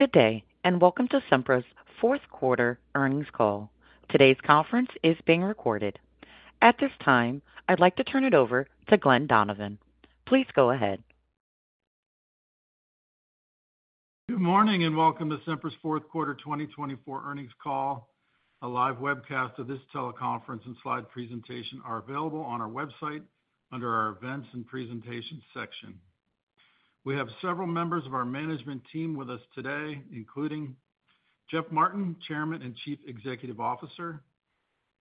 Good day, and welcome to Sempra's Fourth Quarter Earnings Call. Today's conference is being recorded. At this time, I'd like to turn it over to Glen Donovan. Please go ahead. Good morning, and welcome to Sempra's Fourth Quarter 2024 Earnings Call. A live webcast of this teleconference and slide presentation are available on our website under our events and presentations section. We have several members of our management team with us today, including Jeff Martin, Chairman and Chief Executive Officer,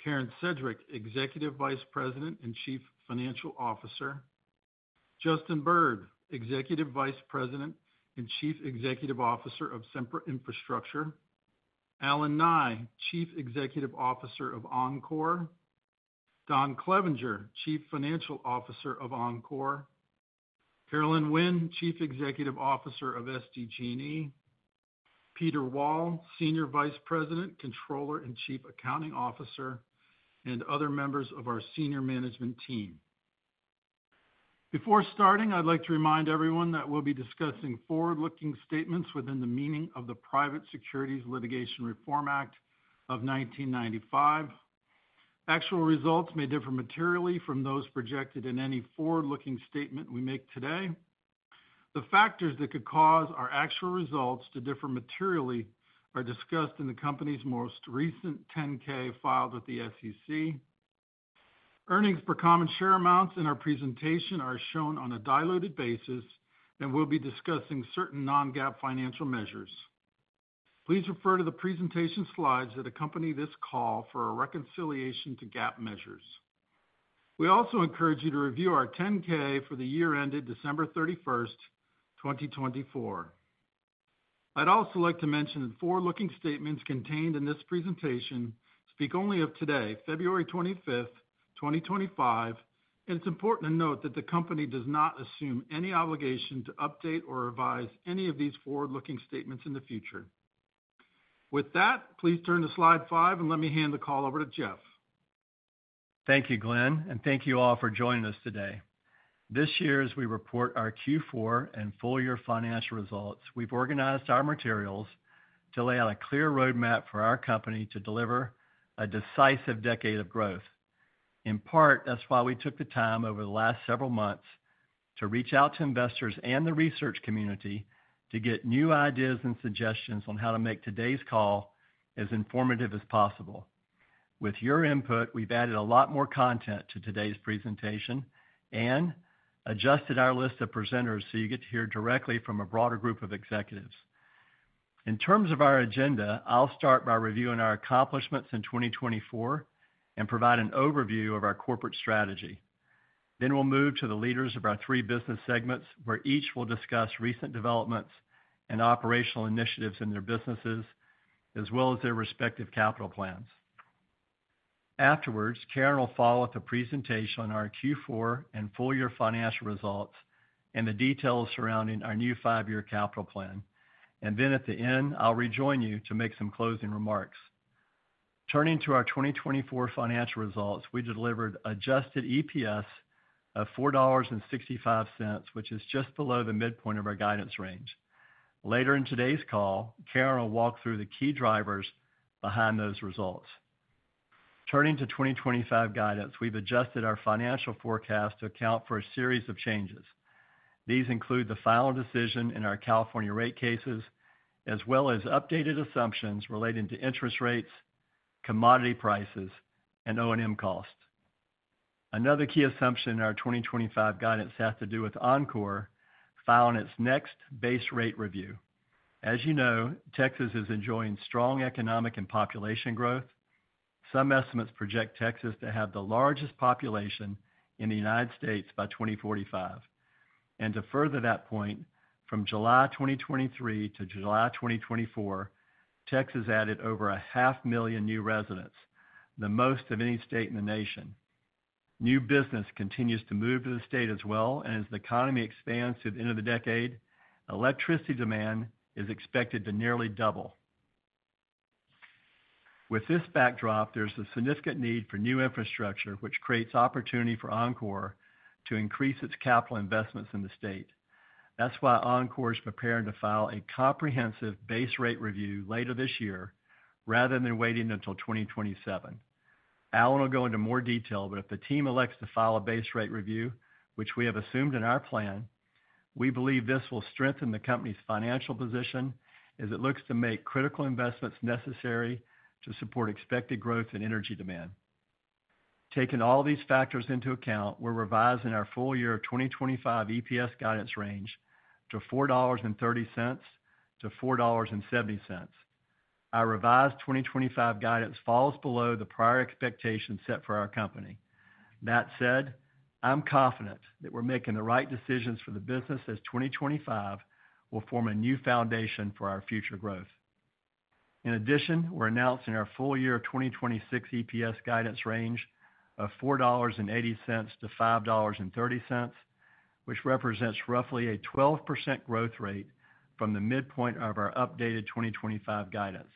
Karen Sedgwick, Executive Vice President and Chief Financial Officer, Justin Bird, Executive Vice President and Chief Executive Officer of Sempra Infrastructure, Allen Nye, Chief Executive Officer of Oncor, Don Clevenger, Chief Financial Officer of Oncor, Caroline Winn, Chief Executive Officer of SDG&E, Peter Wall, Senior Vice President, Controller, and Chief Accounting Officer, and other members of our senior management team. Before starting, I'd like to remind everyone that we'll be discussing forward-looking statements within the meaning of the Private Securities Litigation Reform Act of 1995. Actual results may differ materially from those projected in any forward-looking statement we make today. The factors that could cause our actual results to differ materially are discussed in the company's most recent 10-K filed with the SEC. Earnings per common share amounts in our presentation are shown on a diluted basis, and we'll be discussing certain non-GAAP financial measures. Please refer to the presentation slides that accompany this call for a reconciliation to GAAP measures. We also encourage you to review our 10-K for the year ended December 31st, 2024. I'd also like to mention that forward-looking statements contained in this presentation speak only of today, February 25th, 2025, and it's important to note that the company does not assume any obligation to update or revise any of these forward-looking statements in the future. With that, please turn to slide five and let me hand the call over to Jeff. Thank you, Glen, and thank you all for joining us today. This year, as we report our Q4 and full-year financial results, we've organized our materials to lay out a clear roadmap for our company to deliver a decisive decade of growth. In part, that's why we took the time over the last several months to reach out to investors and the research community to get new ideas and suggestions on how to make today's call as informative as possible. With your input, we've added a lot more content to today's presentation and adjusted our list of presenters so you get to hear directly from a broader group of executives. In terms of our agenda, I'll start by reviewing our accomplishments in 2024 and provide an overview of our corporate strategy. Then we'll move to the leaders of our three business segments, where each will discuss recent developments and operational initiatives in their businesses, as well as their respective capital plans. Afterwards, Karen will follow with a presentation on our Q4 and full-year financial results and the details surrounding our new five-year capital plan. And then at the end, I'll rejoin you to make some closing remarks. Turning to our 2024 financial results, we delivered adjusted EPS of $4.65, which is just below the midpoint of our guidance range. Later in today's call, Karen will walk through the key drivers behind those results. Turning to 2025 guidance, we've adjusted our financial forecast to account for a series of changes. These include the final decision in our California rate cases, as well as updated assumptions relating to interest rates, commodity prices, and O&M costs. Another key assumption in our 2025 guidance has to do with Oncor filing its next base rate review. As you know, Texas is enjoying strong economic and population growth. Some estimates project Texas to have the largest population in the United States by 2045, and to further that point, from July 2023 to July 2024, Texas added over 500,000 new residents, the most of any state in the nation. New business continues to move to the state as well, and as the economy expands to the end of the decade, electricity demand is expected to nearly double. With this backdrop, there's a significant need for new infrastructure, which creates opportunity for Oncor to increase its capital investments in the state. That's why Oncor is preparing to file a comprehensive base rate review later this year rather than waiting until 2027. Allen will go into more detail, but if the team elects to file a base rate review, which we have assumed in our plan, we believe this will strengthen the company's financial position as it looks to make critical investments necessary to support expected growth in energy demand. Taking all these factors into account, we're revising our full-year 2025 EPS guidance range to $4.30-$4.70. Our revised 2025 guidance falls below the prior expectations set for our company. That said, I'm confident that we're making the right decisions for the business as 2025 will form a new foundation for our future growth. In addition, we're announcing our full-year 2026 EPS guidance range of $4.80-$5.30, which represents roughly a 12% growth rate from the midpoint of our updated 2025 guidance.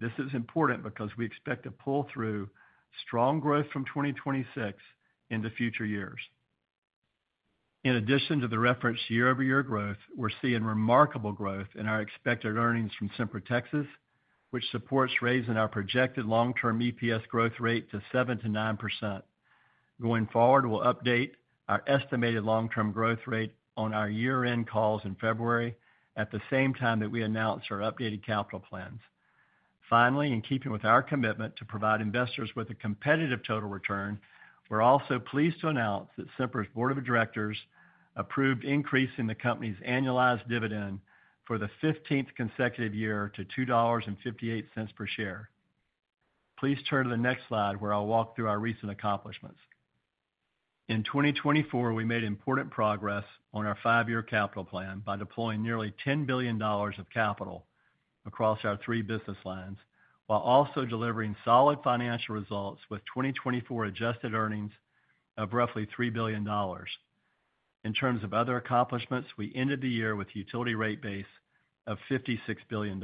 This is important because we expect to pull through strong growth from 2026 into future years. In addition to the referenced year-over-year growth, we're seeing remarkable growth in our expected earnings from Sempra Texas, which supports raising our projected long-term EPS growth rate to 7%-9%. Going forward, we'll update our estimated long-term growth rate on our year-end calls in February at the same time that we announce our updated capital plans. Finally, in keeping with our commitment to provide investors with a competitive total return, we're also pleased to announce that Sempra's Board of Directors approved increasing the company's annualized dividend for the 15th consecutive year to $2.58 per share. Please turn to the next slide where I'll walk through our recent accomplishments. In 2024, we made important progress on our five-year capital plan by deploying nearly $10 billion of capital across our three business lines, while also delivering solid financial results with 2024 adjusted earnings of roughly $3 billion. In terms of other accomplishments, we ended the year with a utility rate base of $56 billion.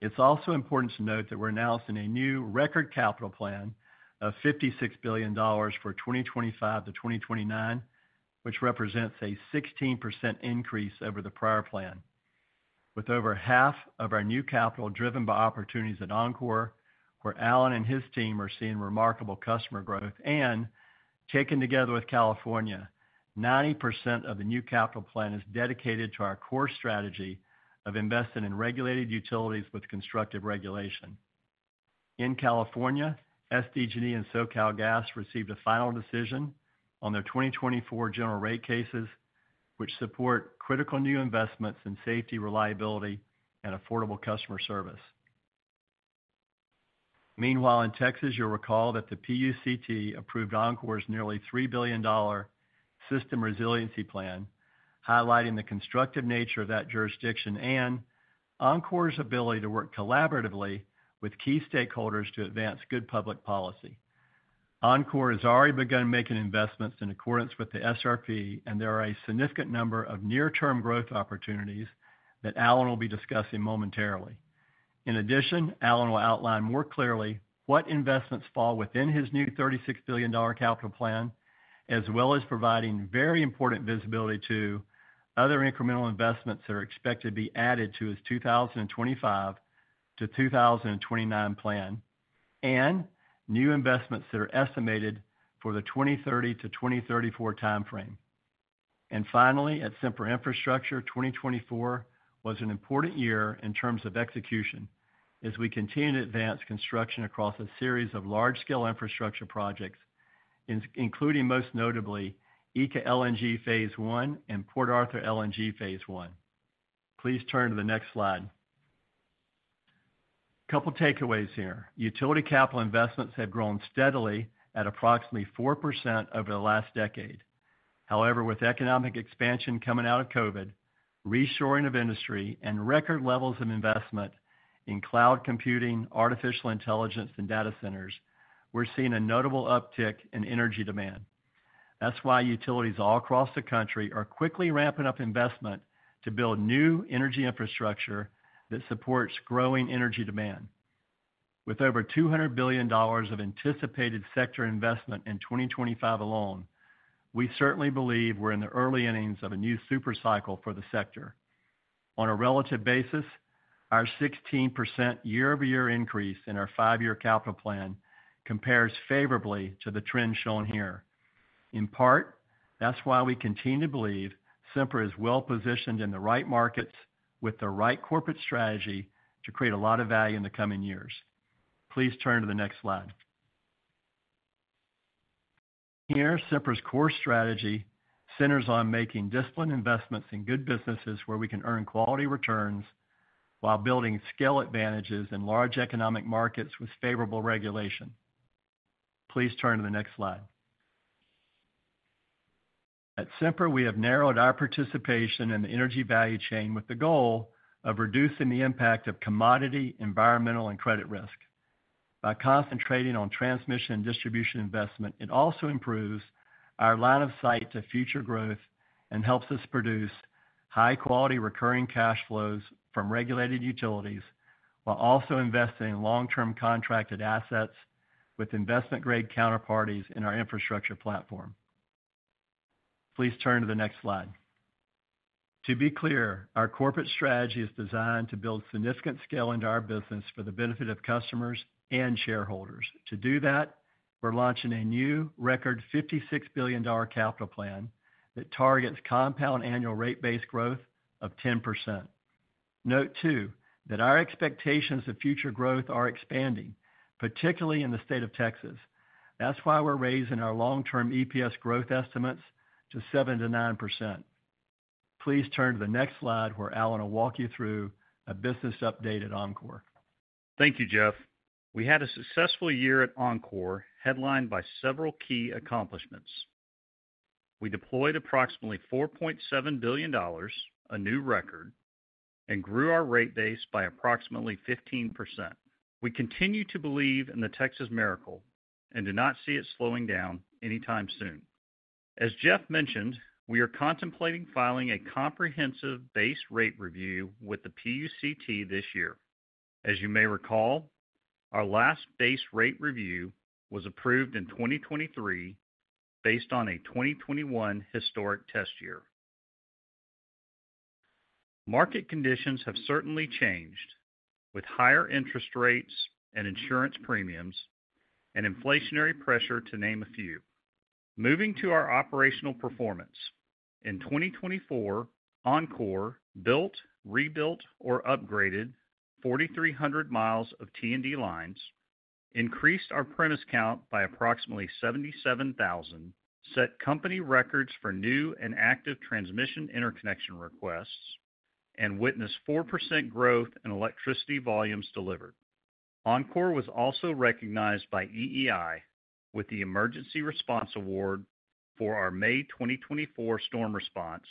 It's also important to note that we're announcing a new record capital plan of $56 billion for 2025-2029, which represents a 16% increase over the prior plan. With over half of our new capital driven by opportunities at Oncor, where Allen and his team are seeing remarkable customer growth, and taken together with California, 90% of the new capital plan is dedicated to our core strategy of investing in regulated utilities with constructive regulation. In California, SDG&E and SoCalGas received a final decision on their 2024 general rate cases, which support critical new investments in safety, reliability, and affordable customer service. Meanwhile, in Texas, you'll recall that the PUCT approved Oncor's nearly $3 billion System Resiliency Plan, highlighting the constructive nature of that jurisdiction and Oncor's ability to work collaboratively with key stakeholders to advance good public policy. Oncor has already begun making investments in accordance with the SRP, and there are a significant number of near-term growth opportunities that Allen will be discussing momentarily. In addition, Allen will outline more clearly what investments fall within his new $36 billion capital plan, as well as providing very important visibility to other incremental investments that are expected to be added to his 2025-2029 plan, and new investments that are estimated for the 2030-2034 timeframe. Finally, at Sempra Infrastructure, 2024 was an important year in terms of execution, as we continued to advance construction across a series of large-scale infrastructure projects, including most notably ECA LNG Phase 1 and Port Arthur LNG Phase 1. Please turn to the next slide. A couple of takeaways here. Utility capital investments have grown steadily at approximately 4% over the last decade. However, with economic expansion coming out of COVID, reshoring of industry, and record levels of investment in cloud computing, artificial intelligence, and data centers, we're seeing a notable uptick in energy demand. That's why utilities all across the country are quickly ramping up investment to build new energy infrastructure that supports growing energy demand. With over $200 billion of anticipated sector investment in 2025 alone, we certainly believe we're in the early innings of a new supercycle for the sector. On a relative basis, our 16% year-over-year increase in our five-year capital plan compares favorably to the trend shown here. In part, that's why we continue to believe Sempra is well-positioned in the right markets with the right corporate strategy to create a lot of value in the coming years. Please turn to the next slide. Here, Sempra's core strategy centers on making disciplined investments in good businesses where we can earn quality returns while building skill advantages in large economic markets with favorable regulation. Please turn to the next slide. At Sempra, we have narrowed our participation in the energy value chain with the goal of reducing the impact of commodity, environmental, and credit risk. By concentrating on transmission and distribution investment, it also improves our line of sight to future growth and helps us produce high-quality recurring cash flows from regulated utilities while also investing in long-term contracted assets with investment-grade counterparties in our infrastructure platform. Please turn to the next slide. To be clear, our corporate strategy is designed to build significant scale into our business for the benefit of customers and shareholders. To do that, we're launching a new record $56 billion capital plan that targets compound annual rate-based growth of 10%. Note too that our expectations of future growth are expanding, particularly in the state of Texas. That's why we're raising our long-term EPS growth estimates to 7%-9%. Please turn to the next slide where Allen will walk you through a business update at Oncor. Thank you, Jeff. We had a successful year at Oncor headlined by several key accomplishments. We deployed approximately $4.7 billion, a new record, and grew our rate base by approximately 15%. We continue to believe in the Texas miracle and do not see it slowing down anytime soon. As Jeff mentioned, we are contemplating filing a comprehensive base rate review with the PUCT this year. As you may recall, our last base rate review was approved in 2023 based on a 2021 historic test year. Market conditions have certainly changed with higher interest rates and insurance premiums and inflationary pressure, to name a few. Moving to our operational performance, in 2024, Oncor built, rebuilt, or upgraded 4,300 miles of T&D lines, increased our premise count by approximately 77,000, set company records for new and active transmission interconnection requests, and witnessed 4% growth in electricity volumes delivered. Oncor was also recognized by EEI with the Emergency Response Award for our May 2024 storm response,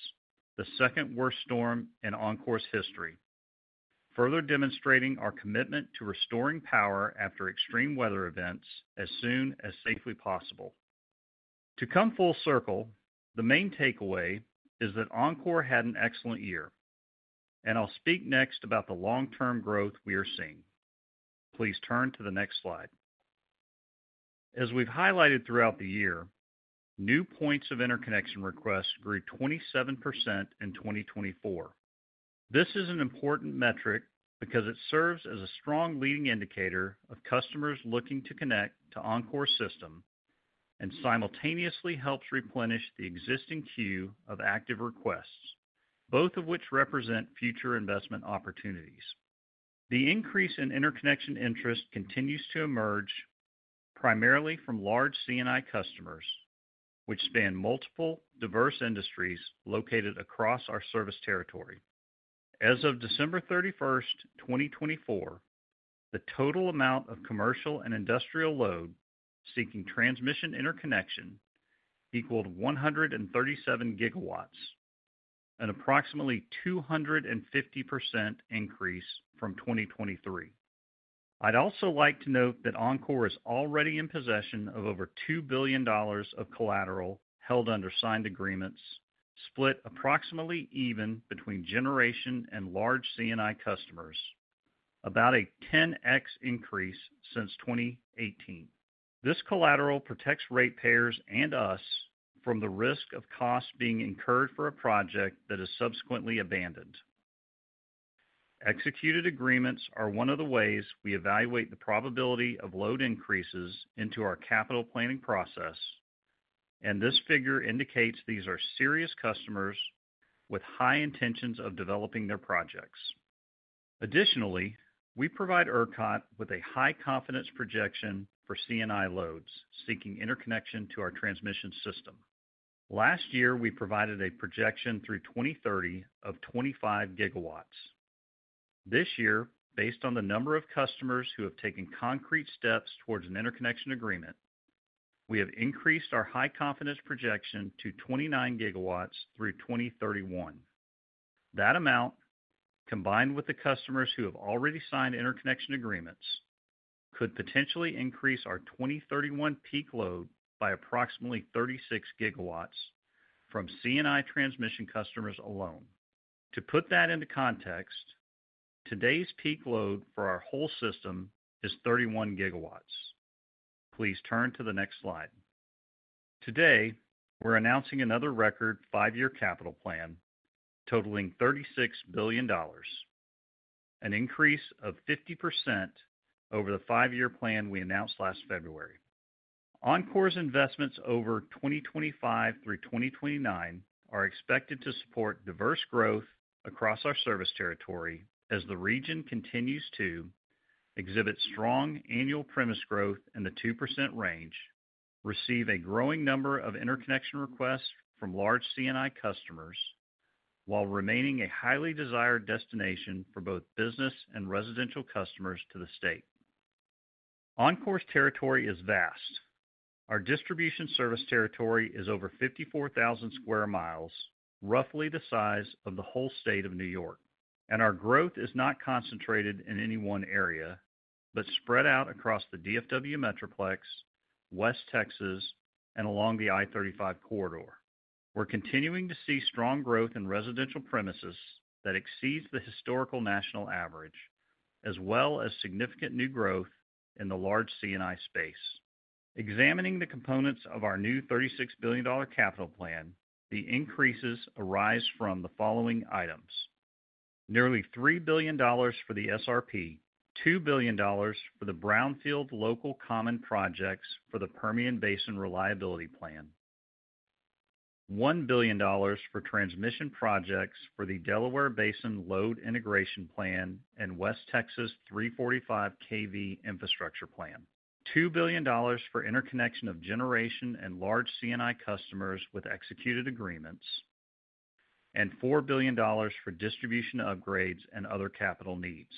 the second worst storm in Oncor's history, further demonstrating our commitment to restoring power after extreme weather events as soon as safely possible. To come full circle, the main takeaway is that Oncor had an excellent year, and I'll speak next about the long-term growth we are seeing. Please turn to the next slide. As we've highlighted throughout the year, new points of interconnection requests grew 27% in 2024. This is an important metric because it serves as a strong leading indicator of customers looking to connect to Oncor's system and simultaneously helps replenish the existing queue of active requests, both of which represent future investment opportunities. The increase in interconnection interest continues to emerge primarily from large C&I customers, which span multiple, diverse industries located across our service territory. As of December 31st, 2024, the total amount of commercial and industrial load seeking transmission interconnection equaled 137 GW, an approximately 250% increase from 2023. I'd also like to note that Oncor is already in possession of over $2 billion of collateral held under signed agreements, split approximately even between generation and large C&I customers, about a 10x increase since 2018. This collateral protects ratepayers and us from the risk of costs being incurred for a project that is subsequently abandoned. Executed agreements are one of the ways we evaluate the probability of load increases into our capital planning process, and this figure indicates these are serious customers with high intentions of developing their projects. Additionally, we provide ERCOT with a high confidence projection for C&I loads seeking interconnection to our transmission system. Last year, we provided a projection through 2030 of 25 GW. This year, based on the number of customers who have taken concrete steps towards an interconnection agreement, we have increased our high confidence projection to 29 GW through 2031. That amount, combined with the customers who have already signed interconnection agreements, could potentially increase our 2031 peak load by approximately 36 GW from C&I transmission customers alone. To put that into context, today's peak load for our whole system is 31 GW. Please turn to the next slide. Today, we're announcing another record five-year capital plan totaling $36 billion, an increase of 50% over the five-year plan we announced last February. Oncor's investments over 2025 through 2029 are expected to support diverse growth across our service territory as the region continues to exhibit strong annual premise growth in the 2% range, receive a growing number of interconnection requests from large C&I customers, while remaining a highly desired destination for both business and residential customers to the state. Oncor's territory is vast. Our distribution service territory is over 54,000 sq mi, roughly the size of the whole state of New York, and our growth is not concentrated in any one area but spread out across the DFW Metroplex, West Texas, and along the I-35 corridor. We're continuing to see strong growth in residential premises that exceeds the historical national average, as well as significant new growth in the large C&I space. Examining the components of our new $36 billion capital plan, the increases arise from the following items: nearly $3 billion for the SRP, $2 billion for the Brownfield Local Common Projects for the Permian Basin Reliability Plan, $1 billion for transmission projects for the Delaware Basin Load Integration Plan and West Texas 345 kV Infrastructure Plan, $2 billion for interconnection of generation and large C&I customers with executed agreements, and $4 billion for distribution upgrades and other capital needs.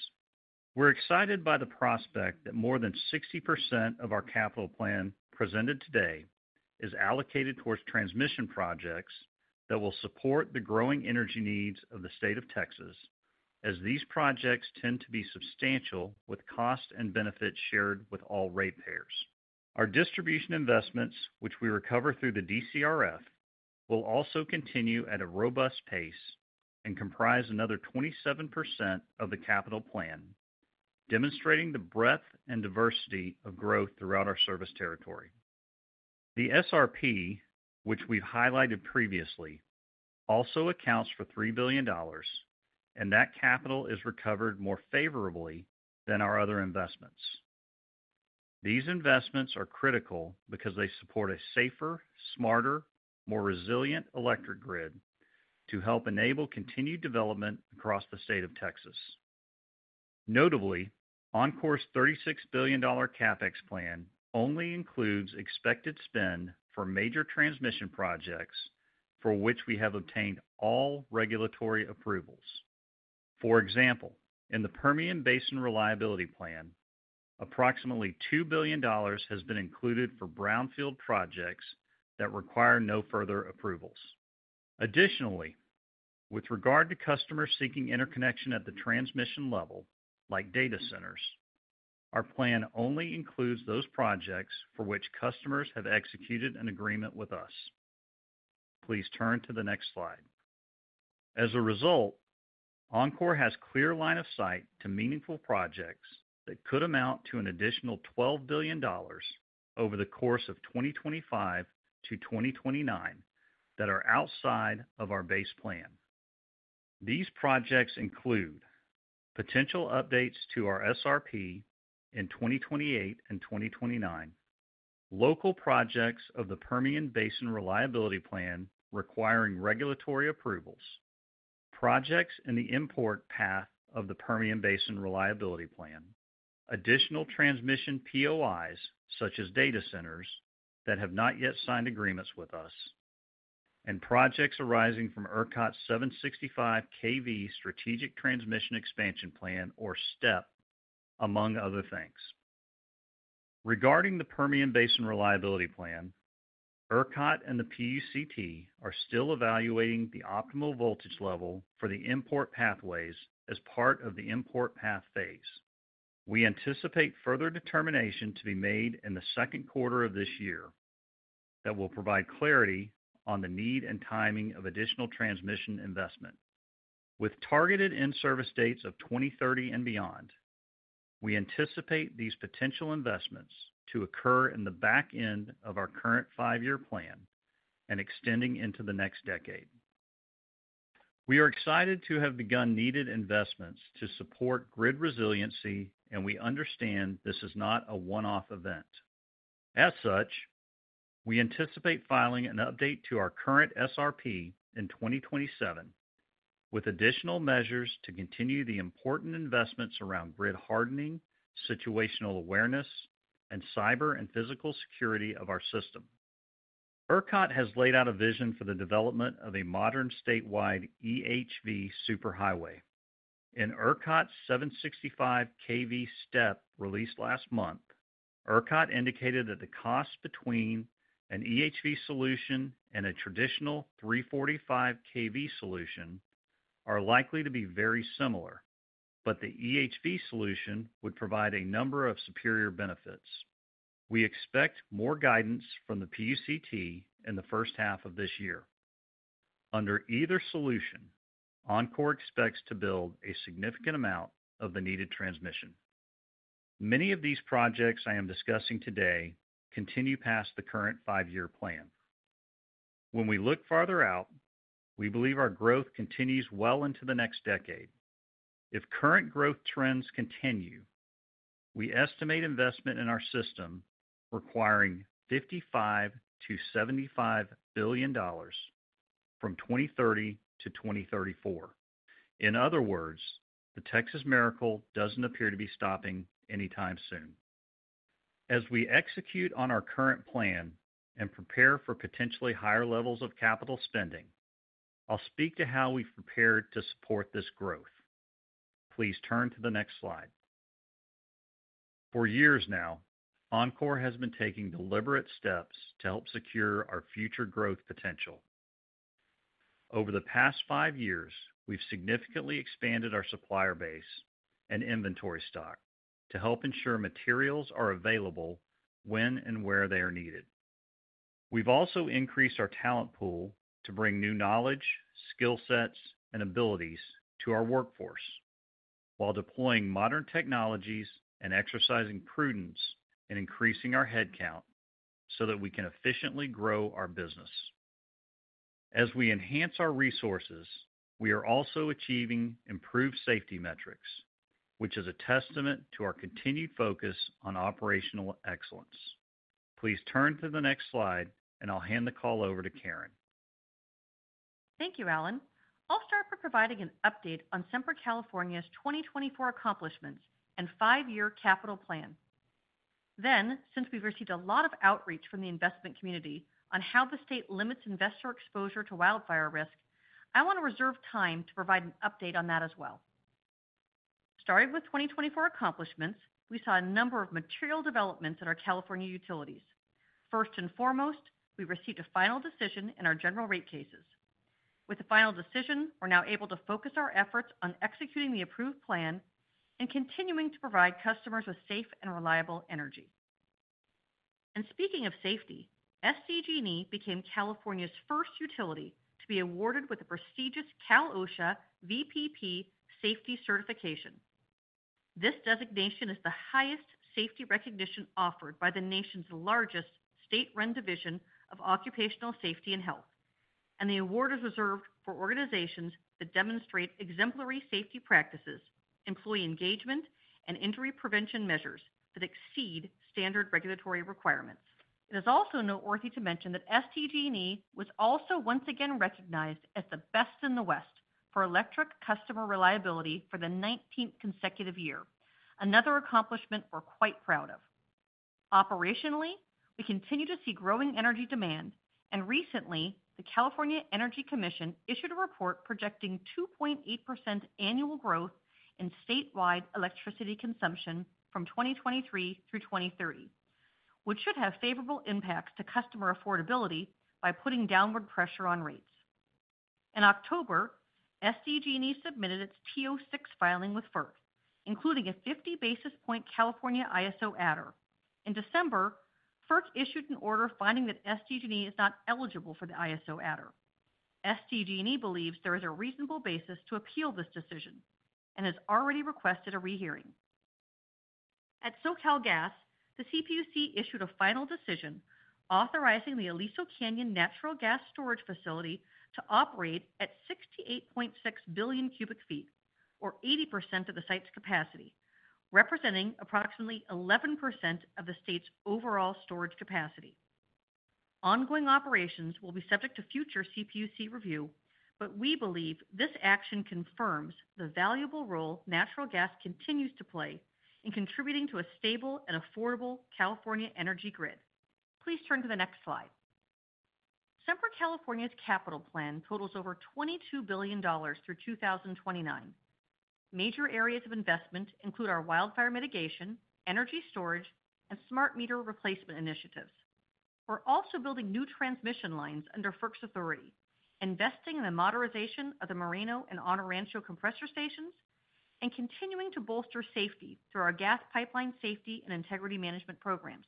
We're excited by the prospect that more than 60% of our capital plan presented today is allocated towards transmission projects that will support the growing energy needs of the state of Texas, as these projects tend to be substantial with cost and benefit shared with all ratepayers. Our distribution investments, which we recover through the DCRF, will also continue at a robust pace and comprise another 27% of the capital plan, demonstrating the breadth and diversity of growth throughout our service territory. The SRP, which we've highlighted previously, also accounts for $3 billion, and that capital is recovered more favorably than our other investments. These investments are critical because they support a safer, smarter, more resilient electric grid to help enable continued development across the state of Texas. Notably, Oncor's $36 billion CapEx plan only includes expected spend for major transmission projects for which we have obtained all regulatory approvals. For example, in the Permian Basin Reliability Plan, approximately $2 billion has been included for Brownfield projects that require no further approvals. Additionally, with regard to customers seeking interconnection at the transmission level, like data centers, our plan only includes those projects for which customers have executed an agreement with us. Please turn to the next slide. As a result, Oncor has a clear line of sight to meaningful projects that could amount to an additional $12 billion over the course of 2025-2029 that are outside of our base plan. These projects include potential updates to our SRP in 2028 and 2029, local projects of the Permian Basin Reliability Plan requiring regulatory approvals, projects in the import path of the Permian Basin Reliability Plan, additional transmission POIs such as data centers that have not yet signed agreements with us, and projects arising from ERCOT's 765 kV Strategic Transmission Expansion Plan, or STEP, among other things. Regarding the Permian Basin Reliability Plan, ERCOT and the PUCT are still evaluating the optimal voltage level for the import pathways as part of the import path phase. We anticipate further determination to be made in the second quarter of this year that will provide clarity on the need and timing of additional transmission investment. With targeted end service dates of 2030 and beyond, we anticipate these potential investments to occur in the back end of our current five-year plan and extending into the next decade. We are excited to have begun needed investments to support grid resiliency, and we understand this is not a one-off event. As such, we anticipate filing an update to our current SRP in 2027 with additional measures to continue the important investments around grid hardening, situational awareness, and cyber and physical security of our system. ERCOT has laid out a vision for the development of a modern statewide EHV superhighway. In ERCOT's 765 kV STEP released last month, ERCOT indicated that the cost between an EHV solution and a traditional 345 kV solution are likely to be very similar, but the EHV solution would provide a number of superior benefits. We expect more guidance from the PUCT in the first half of this year. Under either solution, Oncor expects to build a significant amount of the needed transmission. Many of these projects I am discussing today continue past the current five-year plan. When we look farther out, we believe our growth continues well into the next decade. If current growth trends continue, we estimate investment in our system requiring $55-$75 billion from 2030-2034. In other words, the Texas miracle doesn't appear to be stopping anytime soon. As we execute on our current plan and prepare for potentially higher levels of capital spending, I'll speak to how we've prepared to support this growth. Please turn to the next slide. For years now, Oncor has been taking deliberate steps to help secure our future growth potential. Over the past five years, we've significantly expanded our supplier base and inventory stock to help ensure materials are available when and where they are needed. We've also increased our talent pool to bring new knowledge, skill sets, and abilities to our workforce while deploying modern technologies and exercising prudence in increasing our headcount so that we can efficiently grow our business. As we enhance our resources, we are also achieving improved safety metrics, which is a testament to our continued focus on operational excellence. Please turn to the next slide, and I'll hand the call over to Karen. Thank you, Allen. I'll start by providing an update on Sempra California's 2024 accomplishments and five-year capital plan. Then, since we've received a lot of outreach from the investment community on how the state limits investor exposure to wildfire risk, I want to reserve time to provide an update on that as well. Starting with 2024 accomplishments, we saw a number of material developments in our California utilities. First and foremost, we received a final decision in our general rate cases. With the final decision, we're now able to focus our efforts on executing the approved plan and continuing to provide customers with safe and reliable energy. And speaking of safety, SDG&E became California's first utility to be awarded with the prestigious Cal/OSHA VPP Safety Certification. This designation is the highest safety recognition offered by the nation's largest state-run division of occupational safety and health, and the award is reserved for organizations that demonstrate exemplary safety practices, employee engagement, and injury prevention measures that exceed standard regulatory requirements. It is also noteworthy to mention that SDG&E was also once again recognized as the best in the West for electric customer reliability for the 19th consecutive year, another accomplishment we're quite proud of. Operationally, we continue to see growing energy demand, and recently, the California Energy Commission issued a report projecting 2.8% annual growth in statewide electricity consumption from 2023 through 2030, which should have favorable impacts to customer affordability by putting downward pressure on rates. In October, SDG&E submitted its TO-6 filing with FERC, including a 50 basis point California ISO adder. In December, FERC issued an order finding that SDG&E is not eligible for the ISO adder. SDG&E believes there is a reasonable basis to appeal this decision and has already requested a rehearing. At SoCalGas, the CPUC issued a final decision authorizing the Aliso Canyon Natural Gas Storage Facility to operate at 68.6 billion cubic feet, or 80% of the site's capacity, representing approximately 11% of the state's overall storage capacity. Ongoing operations will be subject to future CPUC review, but we believe this action confirms the valuable role natural gas continues to play in contributing to a stable and affordable California energy grid. Please turn to the next slide. Sempra California's capital plan totals over $22 billion through 2029. Major areas of investment include our wildfire mitigation, energy storage, and smart meter replacement initiatives. We're also building new transmission lines under FERC's authority, investing in the modernization of the Moreno and Honor Rancho compressor stations, and continuing to bolster safety through our gas pipeline safety and integrity management programs.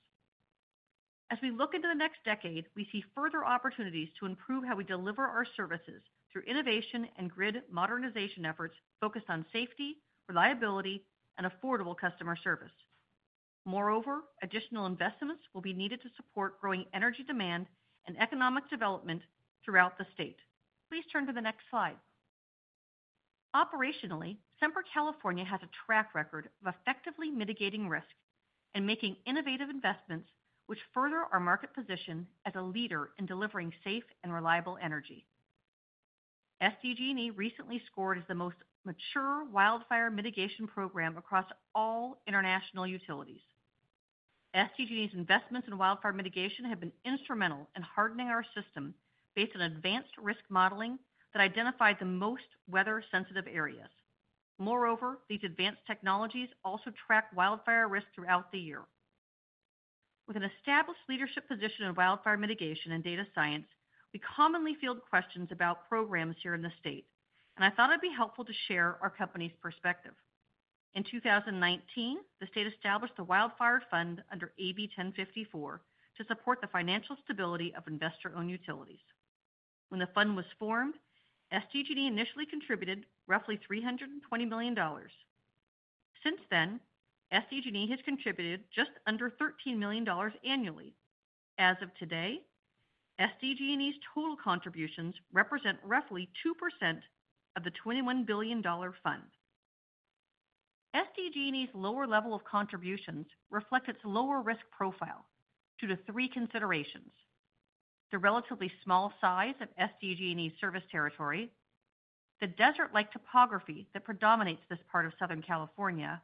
As we look into the next decade, we see further opportunities to improve how we deliver our services through innovation and grid modernization efforts focused on safety, reliability, and affordable customer service. Moreover, additional investments will be needed to support growing energy demand and economic development throughout the state. Please turn to the next slide. Operationally, Sempra California has a track record of effectively mitigating risk and making innovative investments, which further our market position as a leader in delivering safe and reliable energy. SDG&E recently scored as the most mature wildfire mitigation program across all international utilities. SDG&E's investments in wildfire mitigation have been instrumental in hardening our system based on advanced risk modeling that identified the most weather-sensitive areas. Moreover, these advanced technologies also track wildfire risk throughout the year. With an established leadership position in wildfire mitigation and data science, we commonly field questions about programs here in the state, and I thought it'd be helpful to share our company's perspective. In 2019, the state established the Wildfire Fund under AB 1054 to support the financial stability of investor-owned utilities. When the fund was formed, SDG&E initially contributed roughly $320 million. Since then, SDG&E has contributed just under $13 million annually. As of today, SDG&E's total contributions represent roughly 2% of the $21 billion fund. SDG&E's lower level of contributions reflects its lower risk profile due to three considerations: the relatively small size of SDG&E's service territory, the desert-like topography that predominates this part of Southern California,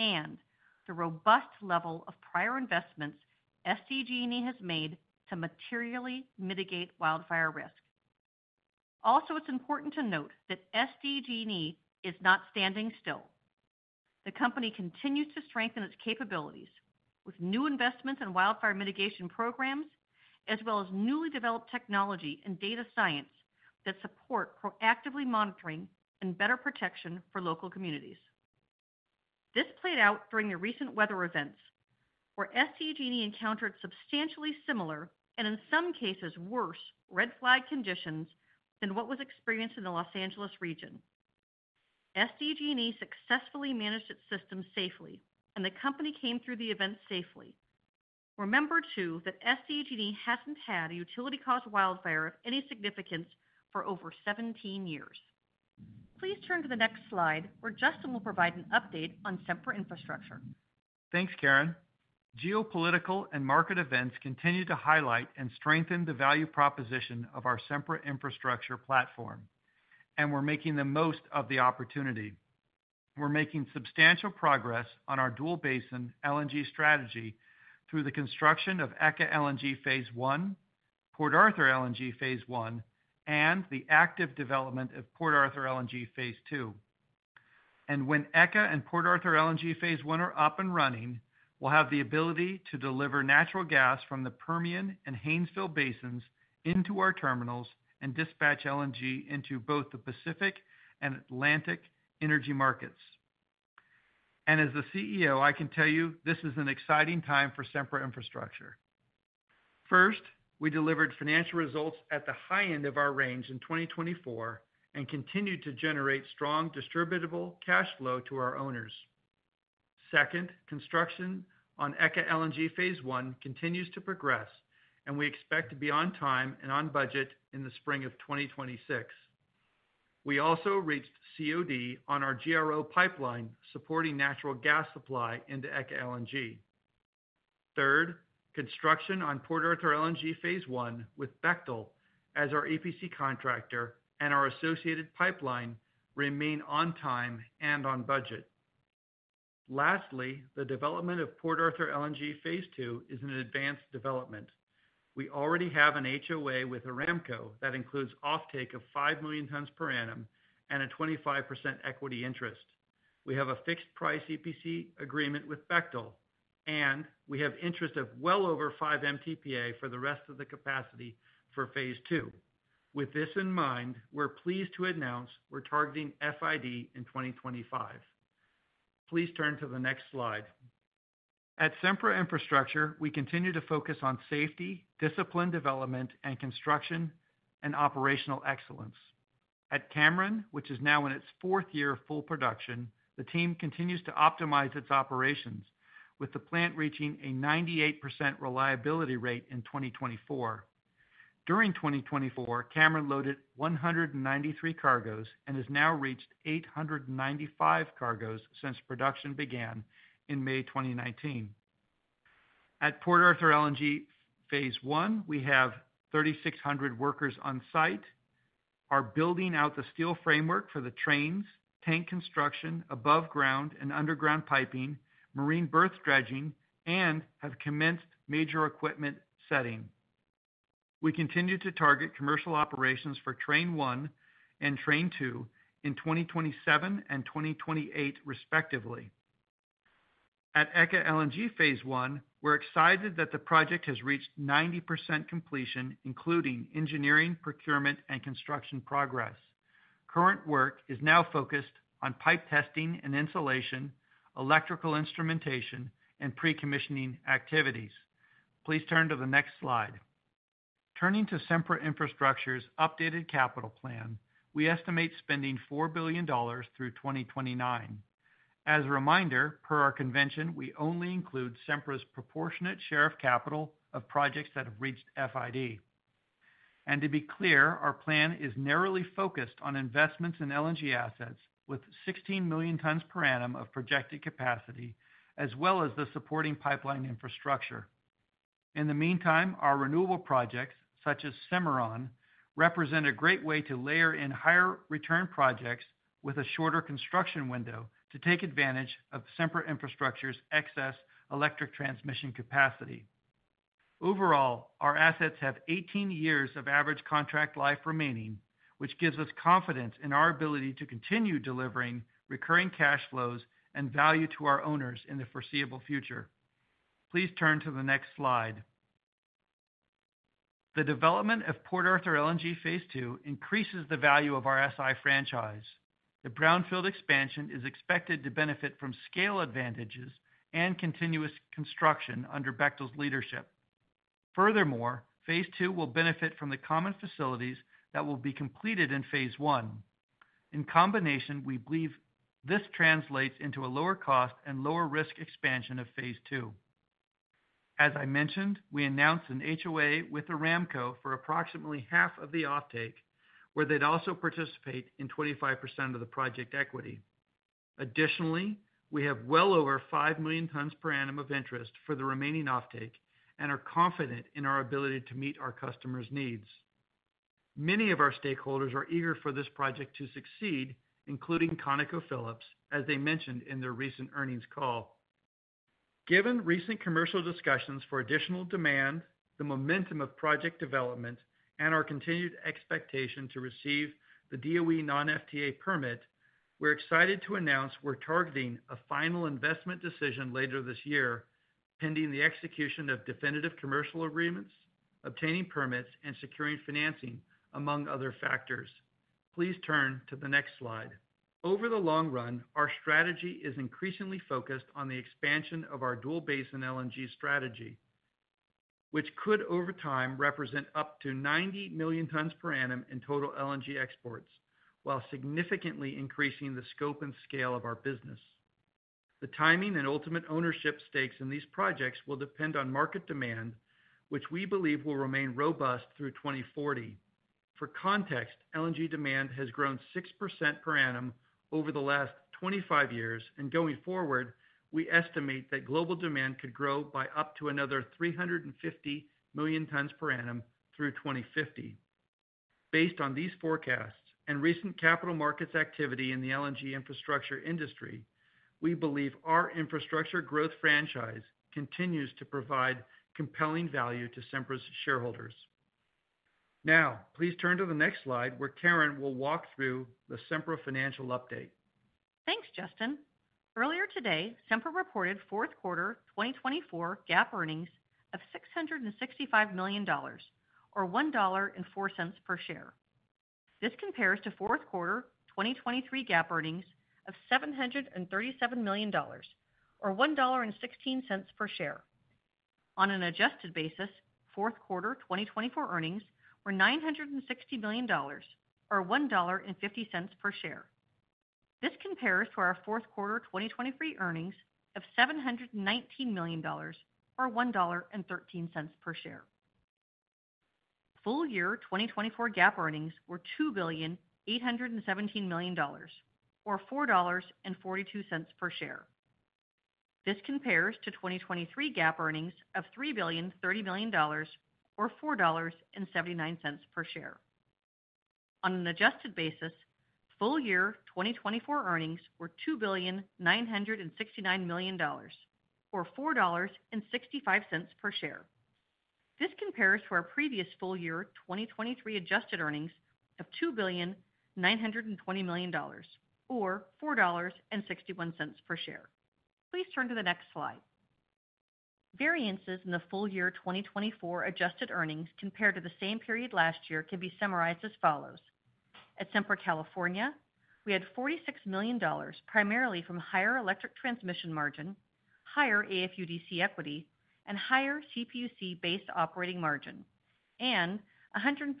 and the robust level of prior investments SDG&E has made to materially mitigate wildfire risk. Also, it's important to note that SDG&E is not standing still. The company continues to strengthen its capabilities with new investments in wildfire mitigation programs, as well as newly developed technology and data science that support proactively monitoring and better protection for local communities. This played out during the recent weather events where SDG&E encountered substantially similar and, in some cases, worse red flag conditions than what was experienced in the Los Angeles region. SDG&E successfully managed its system safely, and the company came through the events safely. Remember, too, that SDG&E hasn't had a utility-caused wildfire of any significance for over 17 years. Please turn to the next slide, where Justin will provide an update on Sempra Infrastructure. Thanks, Karen. Geopolitical and market events continue to highlight and strengthen the value proposition of our Sempra Infrastructure platform, and we're making the most of the opportunity. We're making substantial progress on our dual basin LNG strategy through the construction of ECA LNG Phase I, Port Arthur LNG Phase I, and the active development of Port Arthur LNG Phase II. And when ECA and Port Arthur LNG Phase I are up and running, we'll have the ability to deliver natural gas from the Permian and Haynesville basins into our terminals and dispatch LNG into both the Pacific and Atlantic energy markets. And as the CEO, I can tell you this is an exciting time for Sempra Infrastructure. First, we delivered financial results at the high end of our range in 2024 and continued to generate strong distributable cash flow to our owners. Second, construction on ECA LNG Phase 1 continues to progress, and we expect to be on time and on budget in the spring of 2026. We also reached COD on our GRO Pipeline supporting natural gas supply into ECA LNG. Third, construction on Port Arthur LNG Phase 1 with Bechtel, as our EPC contractor and our associated pipeline, remain on time and on budget. Lastly, the development of Port Arthur LNG Phase 2 is in advanced development. We already have an HOA with Aramco that includes offtake of 5 million tons per annum and a 25% equity interest. We have a fixed price EPC agreement with Bechtel, and we have interest of well over 5 MTPA for the rest of the capacity for Phase 2. With this in mind, we're pleased to announce we're targeting FID in 2025. Please turn to the next slide. At Sempra Infrastructure, we continue to focus on safety, disciplined development, and construction and operational excellence. At Cameron, which is now in its fourth year of full production, the team continues to optimize its operations, with the plant reaching a 98% reliability rate in 2024. During 2024, Cameron loaded 193 cargoes and has now reached 895 cargoes since production began in May 2019. At Port Arthur LNG Phase I, we have 3,600 workers on site. We're building out the steel framework for the trains, tank construction, above-ground and underground piping, marine berth dredging, and have commenced major equipment setting. We continue to target commercial operations for Train I and Train II in 2027 and 2028, respectively. At ECA LNG Phase I, we're excited that the project has reached 90% completion, including engineering, procurement, and construction progress. Current work is now focused on pipe testing and insulation, electrical instrumentation, and pre-commissioning activities. Please turn to the next slide. Turning to Sempra Infrastructure's updated capital plan, we estimate spending $4 billion through 2029. As a reminder, per our convention, we only include Sempra's proportionate share of capital of projects that have reached FID. And to be clear, our plan is narrowly focused on investments in LNG assets with 16 million tons per annum of projected capacity, as well as the supporting pipeline infrastructure. In the meantime, our renewable projects, such as Cimarron, represent a great way to layer in higher return projects with a shorter construction window to take advantage of Sempra Infrastructure's excess electric transmission capacity. Overall, our assets have 18 years of average contract life remaining, which gives us confidence in our ability to continue delivering recurring cash flows and value to our owners in the foreseeable future. Please turn to the next slide. The development of Port Arthur LNG Phase II increases the value of our SI franchise. The brownfield expansion is expected to benefit from scale advantages and continuous construction under Bechtel's leadership. Furthermore, Phase II will benefit from the common facilities that will be completed in Phase I. In combination, we believe this translates into a lower cost and lower risk expansion of Phase II. As I mentioned, we announced an HOA with Aramco for approximately half of the offtake, where they'd also participate in 25% of the project equity. Additionally, we have well over five million tons per annum of interest for the remaining offtake and are confident in our ability to meet our customers' needs. Many of our stakeholders are eager for this project to succeed, including ConocoPhillips, as they mentioned in their recent earnings call. Given recent commercial discussions for additional demand, the momentum of project development, and our continued expectation to receive the DOE non-FTA permit, we're excited to announce we're targeting a final investment decision later this year, pending the execution of definitive commercial agreements, obtaining permits, and securing financing, among other factors. Please turn to the next slide. Over the long run, our strategy is increasingly focused on the expansion of our dual basin LNG strategy, which could, over time, represent up to 90 million tons per annum in total LNG exports, while significantly increasing the scope and scale of our business. The timing and ultimate ownership stakes in these projects will depend on market demand, which we believe will remain robust through 2040. For context, LNG demand has grown 6% per annum over the last 25 years, and going forward, we estimate that global demand could grow by up to another 350 million tons per annum through 2050. Based on these forecasts and recent capital markets activity in the LNG infrastructure industry, we believe our infrastructure growth franchise continues to provide compelling value to Sempra's shareholders. Now, please turn to the next slide, where Karen will walk through the Sempra Financial update. Thanks, Justin. Earlier today, Sempra reported fourth quarter 2024 GAAP earnings of $665 million, or $1.04 per share. This compares to fourth quarter 2023 GAAP earnings of $737 million, or $1.16 per share. On an adjusted basis, fourth quarter 2024 earnings were $960 million, or $1.50 per share. This compares to our fourth quarter 2023 earnings of $719 million, or $1.13 per share. Full year 2024 GAAP earnings were $2,817 million, or $4.42 per share. This compares to 2023 GAAP earnings of $3,030 million, or $4.79 per share. On an adjusted basis, full year 2024 earnings were $2,969 million, or $4.65 per share. This compares to our previous full year 2023 adjusted earnings of $2,920 million, or $4.61 per share. Please turn to the next slide. Variances in the full year 2024 adjusted earnings compared to the same period last year can be summarized as follows. At Sempra California, we had $46 million primarily from higher electric transmission margin, higher AFUDC equity, and higher CPUC-based operating margin, and $157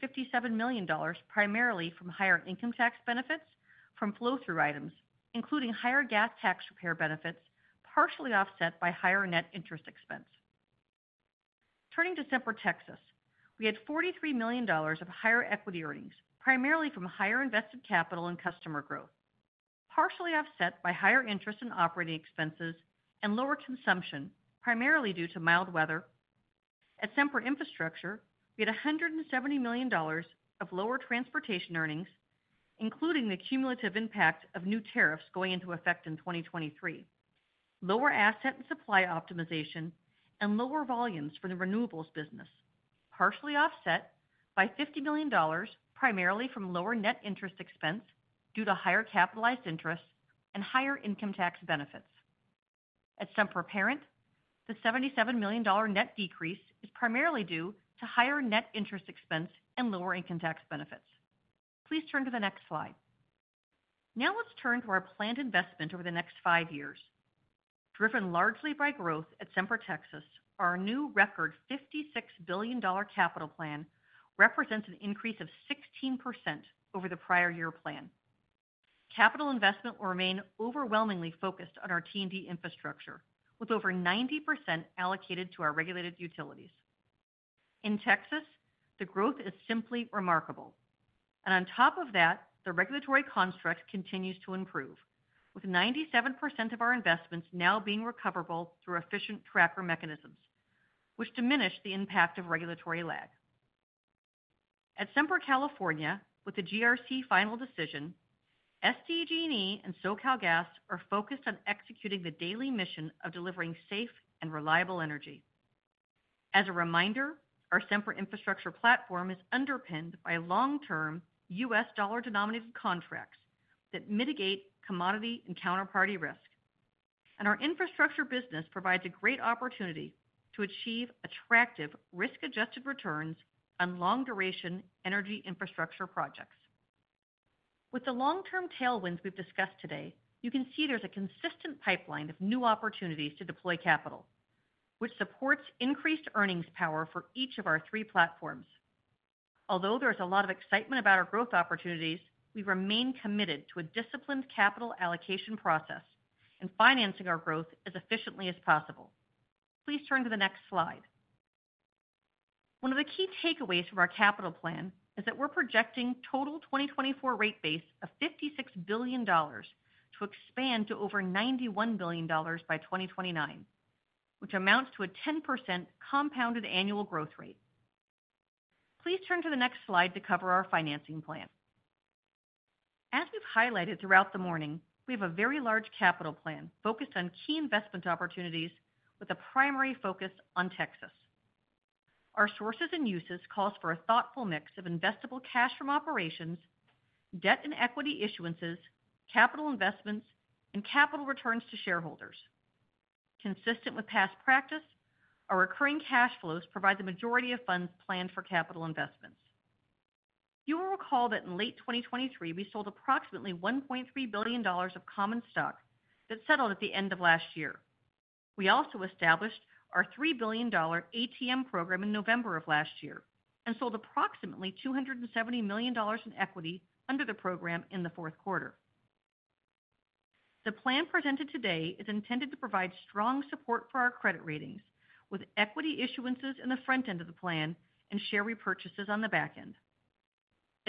million primarily from higher income tax benefits from flow-through items, including higher gas tax repair benefits, partially offset by higher net interest expense. Turning to Sempra Texas, we had $43 million of higher equity earnings, primarily from higher invested capital and customer growth, partially offset by higher interest and operating expenses and lower consumption, primarily due to mild weather. At Sempra Infrastructure, we had $170 million of lower transportation earnings, including the cumulative impact of new tariffs going into effect in 2023, lower asset and supply optimization, and lower volumes for the renewables business, partially offset by $50 million, primarily from lower net interest expense due to higher capitalized interest and higher income tax benefits. At Sempra Parent, the $77 million net decrease is primarily due to higher net interest expense and lower income tax benefits. Please turn to the next slide. Now let's turn to our planned investment over the next five years. Driven largely by growth at Sempra Texas, our new record $56 billion capital plan represents an increase of 16% over the prior year plan. Capital investment will remain overwhelmingly focused on our T&D infrastructure, with over 90% allocated to our regulated utilities. In Texas, the growth is simply remarkable, and on top of that, the regulatory construct continues to improve, with 97% of our investments now being recoverable through efficient tracker mechanisms, which diminish the impact of regulatory lag. At Sempra California, with the GRC final decision, SDG&E and SoCalGas are focused on executing the daily mission of delivering safe and reliable energy. As a reminder, our Sempra Infrastructure platform is underpinned by long-term U.S. dollar-denominated contracts that mitigate commodity and counterparty risk, and our infrastructure business provides a great opportunity to achieve attractive risk-adjusted returns on long-duration energy infrastructure projects. With the long-term tailwinds we've discussed today, you can see there's a consistent pipeline of new opportunities to deploy capital, which supports increased earnings power for each of our three platforms. Although there is a lot of excitement about our growth opportunities, we remain committed to a disciplined capital allocation process and financing our growth as efficiently as possible. Please turn to the next slide. One of the key takeaways from our capital plan is that we're projecting total 2024 rate base of $56 billion to expand to over $91 billion by 2029, which amounts to a 10% compounded annual growth rate. Please turn to the next slide to cover our financing plan. As we've highlighted throughout the morning, we have a very large capital plan focused on key investment opportunities with a primary focus on Texas. Our sources and uses call for a thoughtful mix of investable cash from operations, debt and equity issuances, capital investments, and capital returns to shareholders. Consistent with past practice, our recurring cash flows provide the majority of funds planned for capital investments. You will recall that in late 2023, we sold approximately $1.3 billion of common stock that settled at the end of last year. We also established our $3 billion ATM program in November of last year and sold approximately $270 million in equity under the program in the fourth quarter. The plan presented today is intended to provide strong support for our credit ratings, with equity issuances in the front end of the plan and share repurchases on the back end.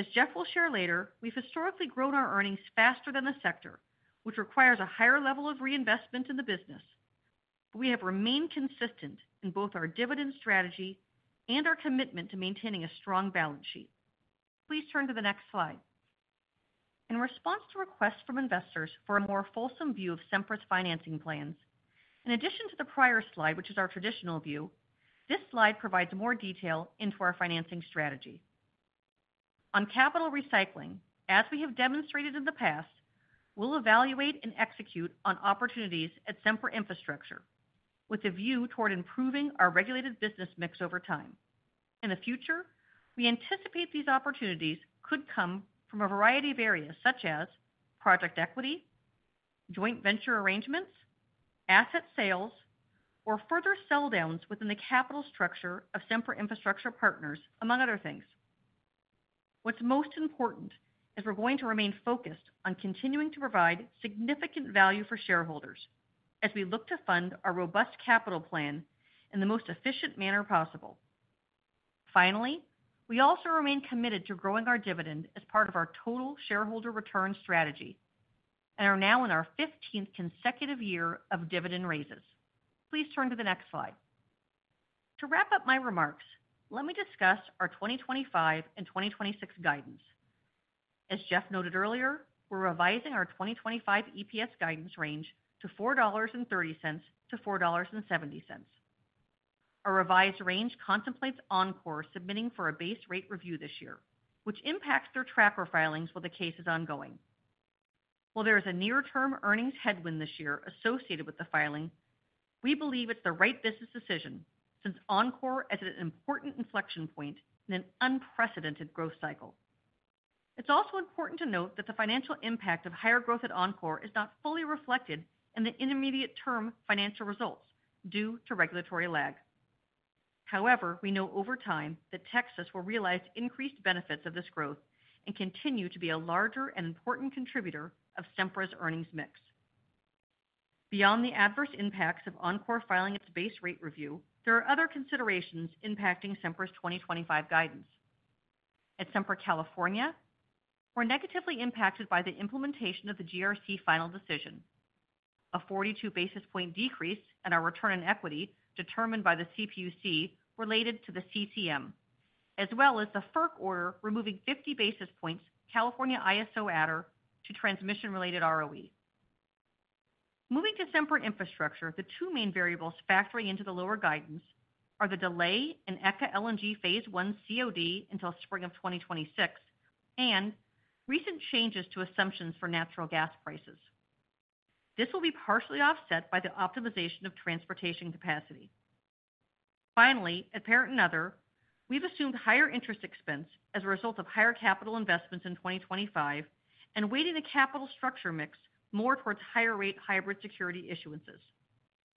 As Jeff will share later, we've historically grown our earnings faster than the sector, which requires a higher level of reinvestment in the business. We have remained consistent in both our dividend strategy and our commitment to maintaining a strong balance sheet. Please turn to the next slide. In response to requests from investors for a more fulsome view of Sempra's financing plans, in addition to the prior slide, which is our traditional view, this slide provides more detail into our financing strategy. On capital recycling, as we have demonstrated in the past, we'll evaluate and execute on opportunities at Sempra Infrastructure, with a view toward improving our regulated business mix over time. In the future, we anticipate these opportunities could come from a variety of areas, such as project equity, joint venture arrangements, asset sales, or further sell-downs within the capital structure of Sempra Infrastructure partners, among other things. What's most important is we're going to remain focused on continuing to provide significant value for shareholders as we look to fund our robust capital plan in the most efficient manner possible. Finally, we also remain committed to growing our dividend as part of our total shareholder return strategy and are now in our 15th consecutive year of dividend raises. Please turn to the next slide. To wrap up my remarks, let me discuss our 2025 and 2026 guidance. As Jeff noted earlier, we're revising our 2025 EPS guidance range to $4.30-$4.70. Our revised range contemplates Oncor submitting for a base rate review this year, which impacts their tracker filings while the case is ongoing. While there is a near-term earnings headwind this year associated with the filing, we believe it's the right business decision since Oncor is at an important inflection point in an unprecedented growth cycle. It's also important to note that the financial impact of higher growth at Oncor is not fully reflected in the intermediate-term financial results due to regulatory lag. However, we know over time that Texas will realize increased benefits of this growth and continue to be a larger and important contributor of Sempra's earnings mix. Beyond the adverse impacts of Oncor filing its base rate review, there are other considerations impacting Sempra's 2025 guidance. At Sempra California, we're negatively impacted by the implementation of the GRC final decision, a 42 basis point decrease in our return on equity determined by the CPUC related to the CCM, as well as the FERC order removing 50 basis points California ISO Adder to transmission-related ROE. Moving to Sempra Infrastructure, the two main variables factoring into the lower guidance are the delay in ECA LNG Phase 1 COD until spring of 2026 and recent changes to assumptions for natural gas prices. This will be partially offset by the optimization of transportation capacity. Finally, at Parent and Other, we've assumed higher interest expense as a result of higher capital investments in 2025 and weighting the capital structure mix more towards higher-rate hybrid security issuances.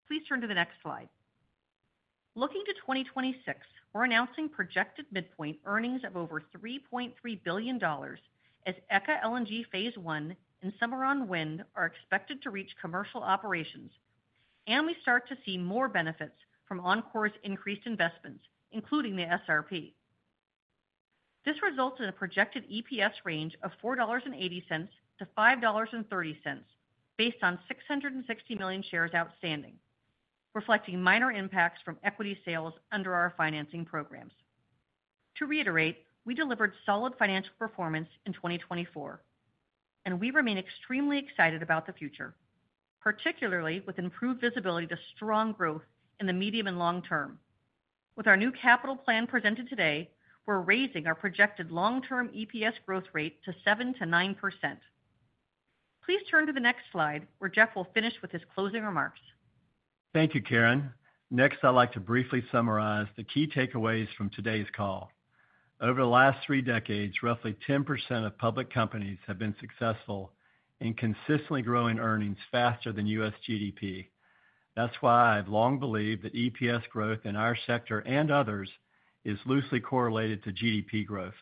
Please turn to the next slide. Looking to 2026, we're announcing projected midpoint earnings of over $3.3 billion as ECA LNG Phase 1 and Cimarron wind are expected to reach commercial operations, and we start to see more benefits from Oncor's increased investments, including the SRP. This results in a projected EPS range of $4.80-$5.30 based on 660 million shares outstanding, reflecting minor impacts from equity sales under our financing programs. To reiterate, we delivered solid financial performance in 2024, and we remain extremely excited about the future, particularly with improved visibility to strong growth in the medium and long term. With our new capital plan presented today, we're raising our projected long-term EPS growth rate to 7%-9%. Please turn to the next slide, where Jeff will finish with his closing remarks. Thank you, Karen. Next, I'd like to briefly summarize the key takeaways from today's call. Over the last three decades, roughly 10% of public companies have been successful in consistently growing earnings faster than U.S. GDP. That's why I've long believed that EPS growth in our sector and others is loosely correlated to GDP growth.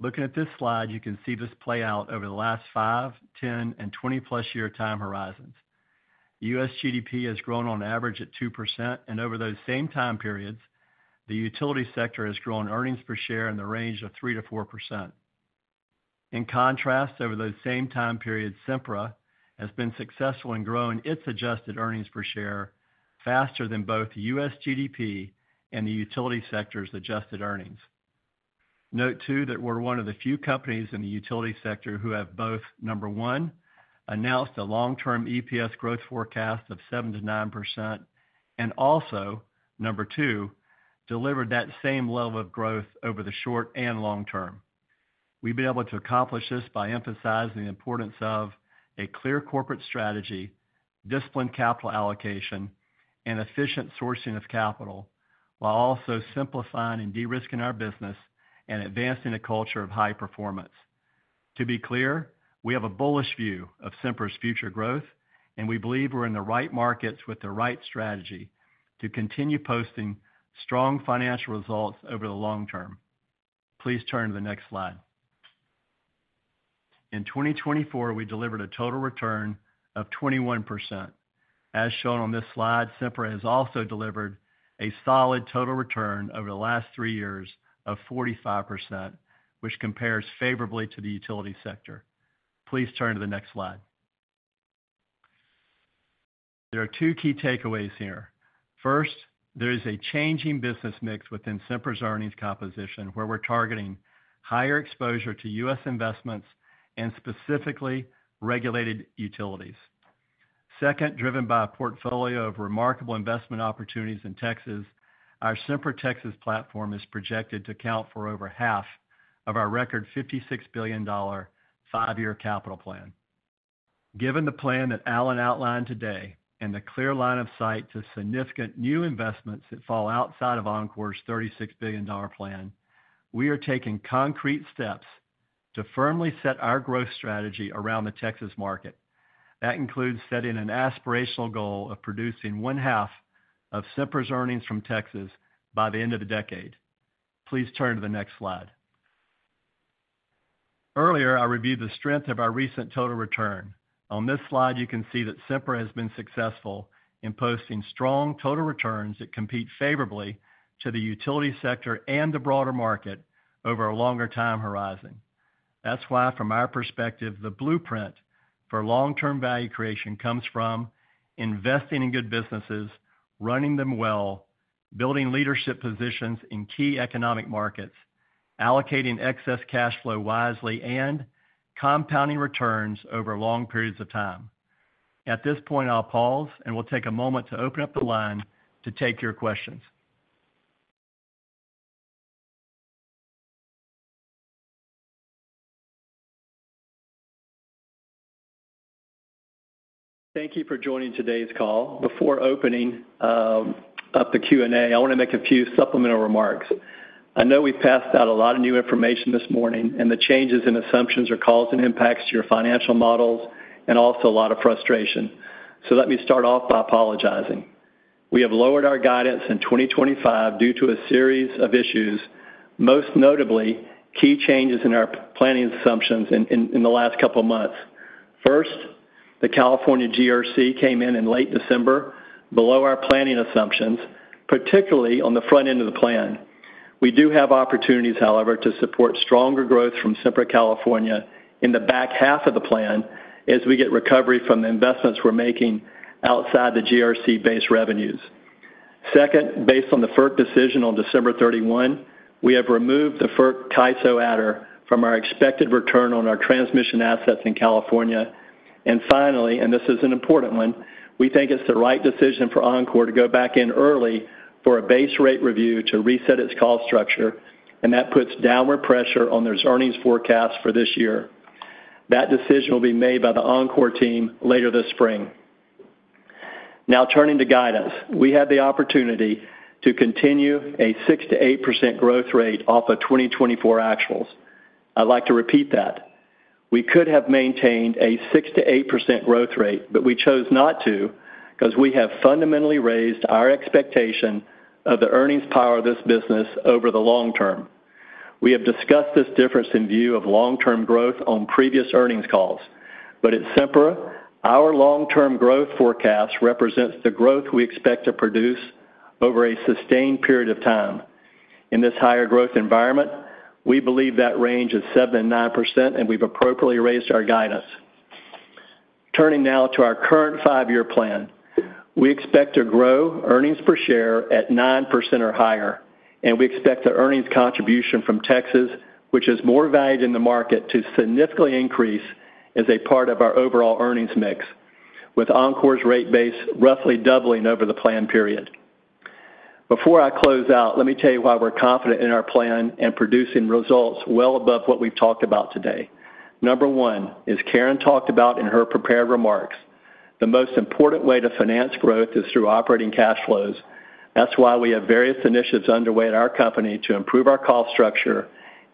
Looking at this slide, you can see this play out over the last five, 10, and 20-plus year time horizons. U.S. GDP has grown on average at 2%, and over those same time periods, the utility sector has grown earnings per share in the range of 3%-4%. In contrast, over those same time periods, Sempra has been successful in growing its adjusted earnings per share faster than both U.S. GDP and the utility sector's adjusted earnings. Note too that we're one of the few companies in the utility sector who have both, number one, announced a long-term EPS growth forecast of 7%-9%, and also, number two, delivered that same level of growth over the short and long term. We've been able to accomplish this by emphasizing the importance of a clear corporate strategy, disciplined capital allocation, and efficient sourcing of capital, while also simplifying and de-risking our business and advancing a culture of high performance. To be clear, we have a bullish view of Sempra's future growth, and we believe we're in the right markets with the right strategy to continue posting strong financial results over the long term. Please turn to the next slide. In 2024, we delivered a total return of 21%. As shown on this slide, Sempra has also delivered a solid total return over the last three years of 45%, which compares favorably to the utility sector. Please turn to the next slide. There are two key takeaways here. First, there is a changing business mix within Sempra's earnings composition, where we're targeting higher exposure to U.S. investments and specifically regulated utilities. Second, driven by a portfolio of remarkable investment opportunities in Texas, our Sempra Texas platform is projected to account for over half of our record $56 billion five-year capital plan. Given the plan that Allen outlined today and the clear line of sight to significant new investments that fall outside of Oncor's $36 billion plan, we are taking concrete steps to firmly set our growth strategy around the Texas market. That includes setting an aspirational goal of producing one-half of Sempra's earnings from Texas by the end of the decade. Please turn to the next slide. Earlier, I reviewed the strength of our recent total return. On this slide, you can see that Sempra has been successful in posting strong total returns that compete favorably to the utility sector and the broader market over a longer time horizon. That's why, from our perspective, the blueprint for long-term value creation comes from investing in good businesses, running them well, building leadership positions in key economic markets, allocating excess cash flow wisely, and compounding returns over long periods of time. At this point, I'll pause, and we'll take a moment to open up the line to take your questions. Thank you for joining today's call. Before opening up the Q&A, I want to make a few supplemental remarks. I know we've passed out a lot of new information this morning, and the changes in assumptions are causing impacts to your financial models and also a lot of frustration. So let me start off by apologizing. We have lowered our guidance in 2025 due to a series of issues, most notably key changes in our planning assumptions in the last couple of months. First, the California GRC came in in late December below our planning assumptions, particularly on the front end of the plan. We do have opportunities, however, to support stronger growth from Sempra California in the back half of the plan as we get recovery from the investments we're making outside the GRC-based revenues. Second, based on the FERC decision on December 31, we have removed the FERC ISO Adder from our expected return on our transmission assets in California, and finally, and this is an important one, we think it's the right decision for Oncor to go back in early for a base rate review to reset its cost structure, and that puts downward pressure on their earnings forecast for this year. That decision will be made by the Oncor team later this spring. Now, turning to guidance, we had the opportunity to continue a 6%-8% growth rate off of 2024 actuals. I'd like to repeat that. We could have maintained a 6%-8% growth rate, but we chose not to because we have fundamentally raised our expectation of the earnings power of this business over the long term. We have discussed this difference in view of long-term growth on previous earnings calls, but at Sempra, our long-term growth forecast represents the growth we expect to produce over a sustained period of time. In this higher growth environment, we believe that range is 7%-9%, and we've appropriately raised our guidance. Turning now to our current five-year plan, we expect to grow earnings per share at 9% or higher, and we expect the earnings contribution from Texas, which is more valued in the market, to significantly increase as a part of our overall earnings mix, with Oncor's rate base roughly doubling over the planned period. Before I close out, let me tell you why we're confident in our plan and producing results well above what we've talked about today. Number one is Karen talked about in her prepared remarks. The most important way to finance growth is through operating cash flows. That's why we have various initiatives underway at our company to improve our cost structure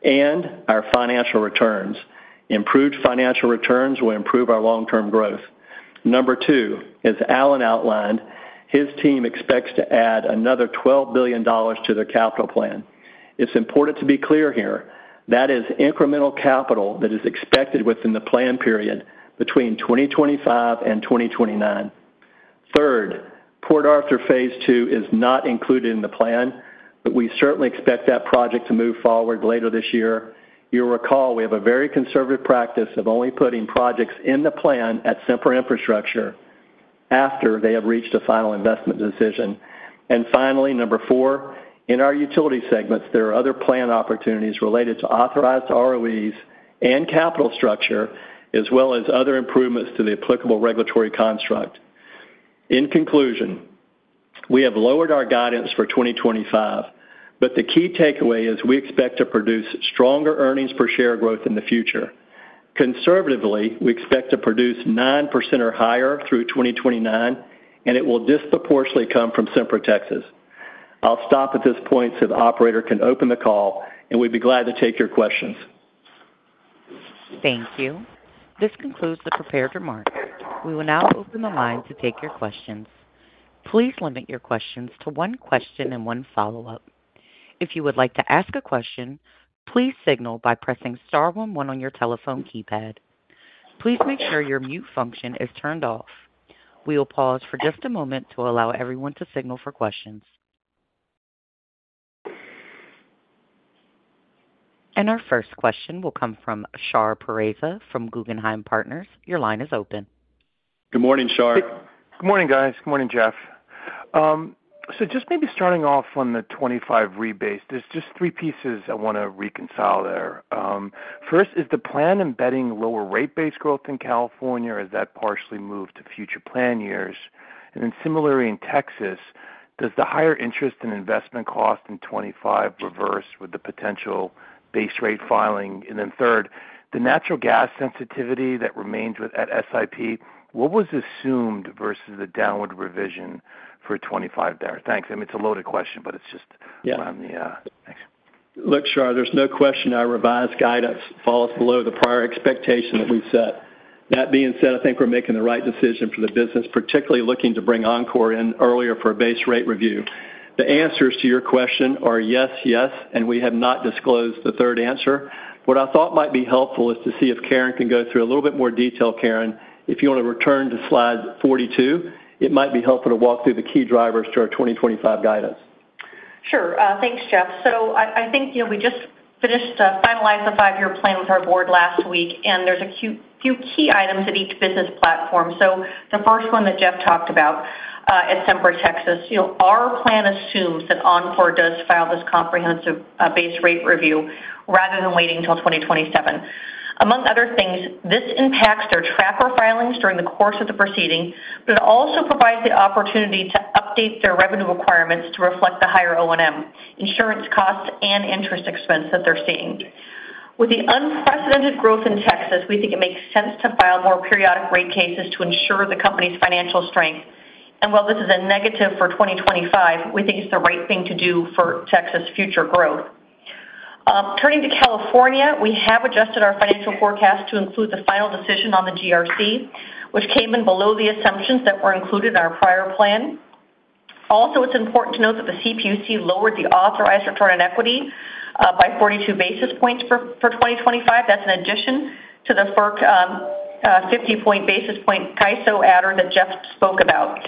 and our financial returns. Improved financial returns will improve our long-term growth. Number two is, as Allen outlined, his team expects to add another $12 billion to their capital plan. It's important to be clear here. That is incremental capital that is expected within the planned period between 2025 and 2029. Third, Port Arthur Phase 2 is not included in the plan, but we certainly expect that project to move forward later this year. You'll recall we have a very conservative practice of only putting projects in the plan at Sempra Infrastructure after they have reached a final investment decision. And finally, number four, in our utility segments, there are other plan opportunities related to authorized ROEs and capital structure, as well as other improvements to the applicable regulatory construct. In conclusion, we have lowered our guidance for 2025, but the key takeaway is we expect to produce stronger earnings per share growth in the future. Conservatively, we expect to produce 9% or higher through 2029, and it will disproportionately come from Sempra Texas. I'll stop at this point so the operator can open the call, and we'd be glad to take your questions. Thank you. This concludes the prepared remarks. We will now open the line to take your questions. Please limit your questions to one question and one follow-up. If you would like to ask a question, please signal by pressing star one on your telephone keypad. Please make sure your mute function is turned off. We will pause for just a moment to allow everyone to signal for questions. Our first question will come from Shar Pourreza from Guggenheim Partners. Your line is open. Good morning, Shar. Good morning, guys. Good morning, Jeff. So just maybe starting off on the 2025 rebates, there's just three pieces I want to reconcile there. First, is the plan embedding lower rate-based growth in California, or has that partially moved to future plan years? And then similarly, in Texas, does the higher interest and investment cost in 2025 reverse with the potential base rate filing? And then third, the natural gas sensitivity that remains at SIP, what was assumed versus the downward revision for 2025 there? Thanks. I mean, it's a loaded question, but it's just around the next. Look, Shar, there's no question our revised guidance falls below the prior expectation that we've set. That being said, I think we're making the right decision for the business, particularly looking to bring Oncor in earlier for a base rate review. The answers to your question are yes, yes, and we have not disclosed the third answer. What I thought might be helpful is to see if Karen can go through a little bit more detail, Karen. If you want to return to slide 42, it might be helpful to walk through the key drivers to our 2025 guidance. Sure. Thanks, Jeff. So I think we just finished finalizing the five-year plan with our board last week, and there's a few key items at each business platform. So the first one that Jeff talked about at Sempra Texas, our plan assumes that Oncor does file this comprehensive base rate review rather than waiting until 2027. Among other things, this impacts their tracker filings during the course of the proceeding, but it also provides the opportunity to update their revenue requirements to reflect the higher O&M, insurance costs, and interest expense that they're seeing. With the unprecedented growth in Texas, we think it makes sense to file more periodic rate cases to ensure the company's financial strength, and while this is a negative for 2025, we think it's the right thing to do for Texas' future growth. Turning to California, we have adjusted our financial forecast to include the final decision on the GRC, which came in below the assumptions that were included in our prior plan. Also, it's important to note that the CPUC lowered the authorized return on equity by 42 basis points for 2025. That's in addition to the FERC 50 basis point ISO Adder that Jeff spoke about.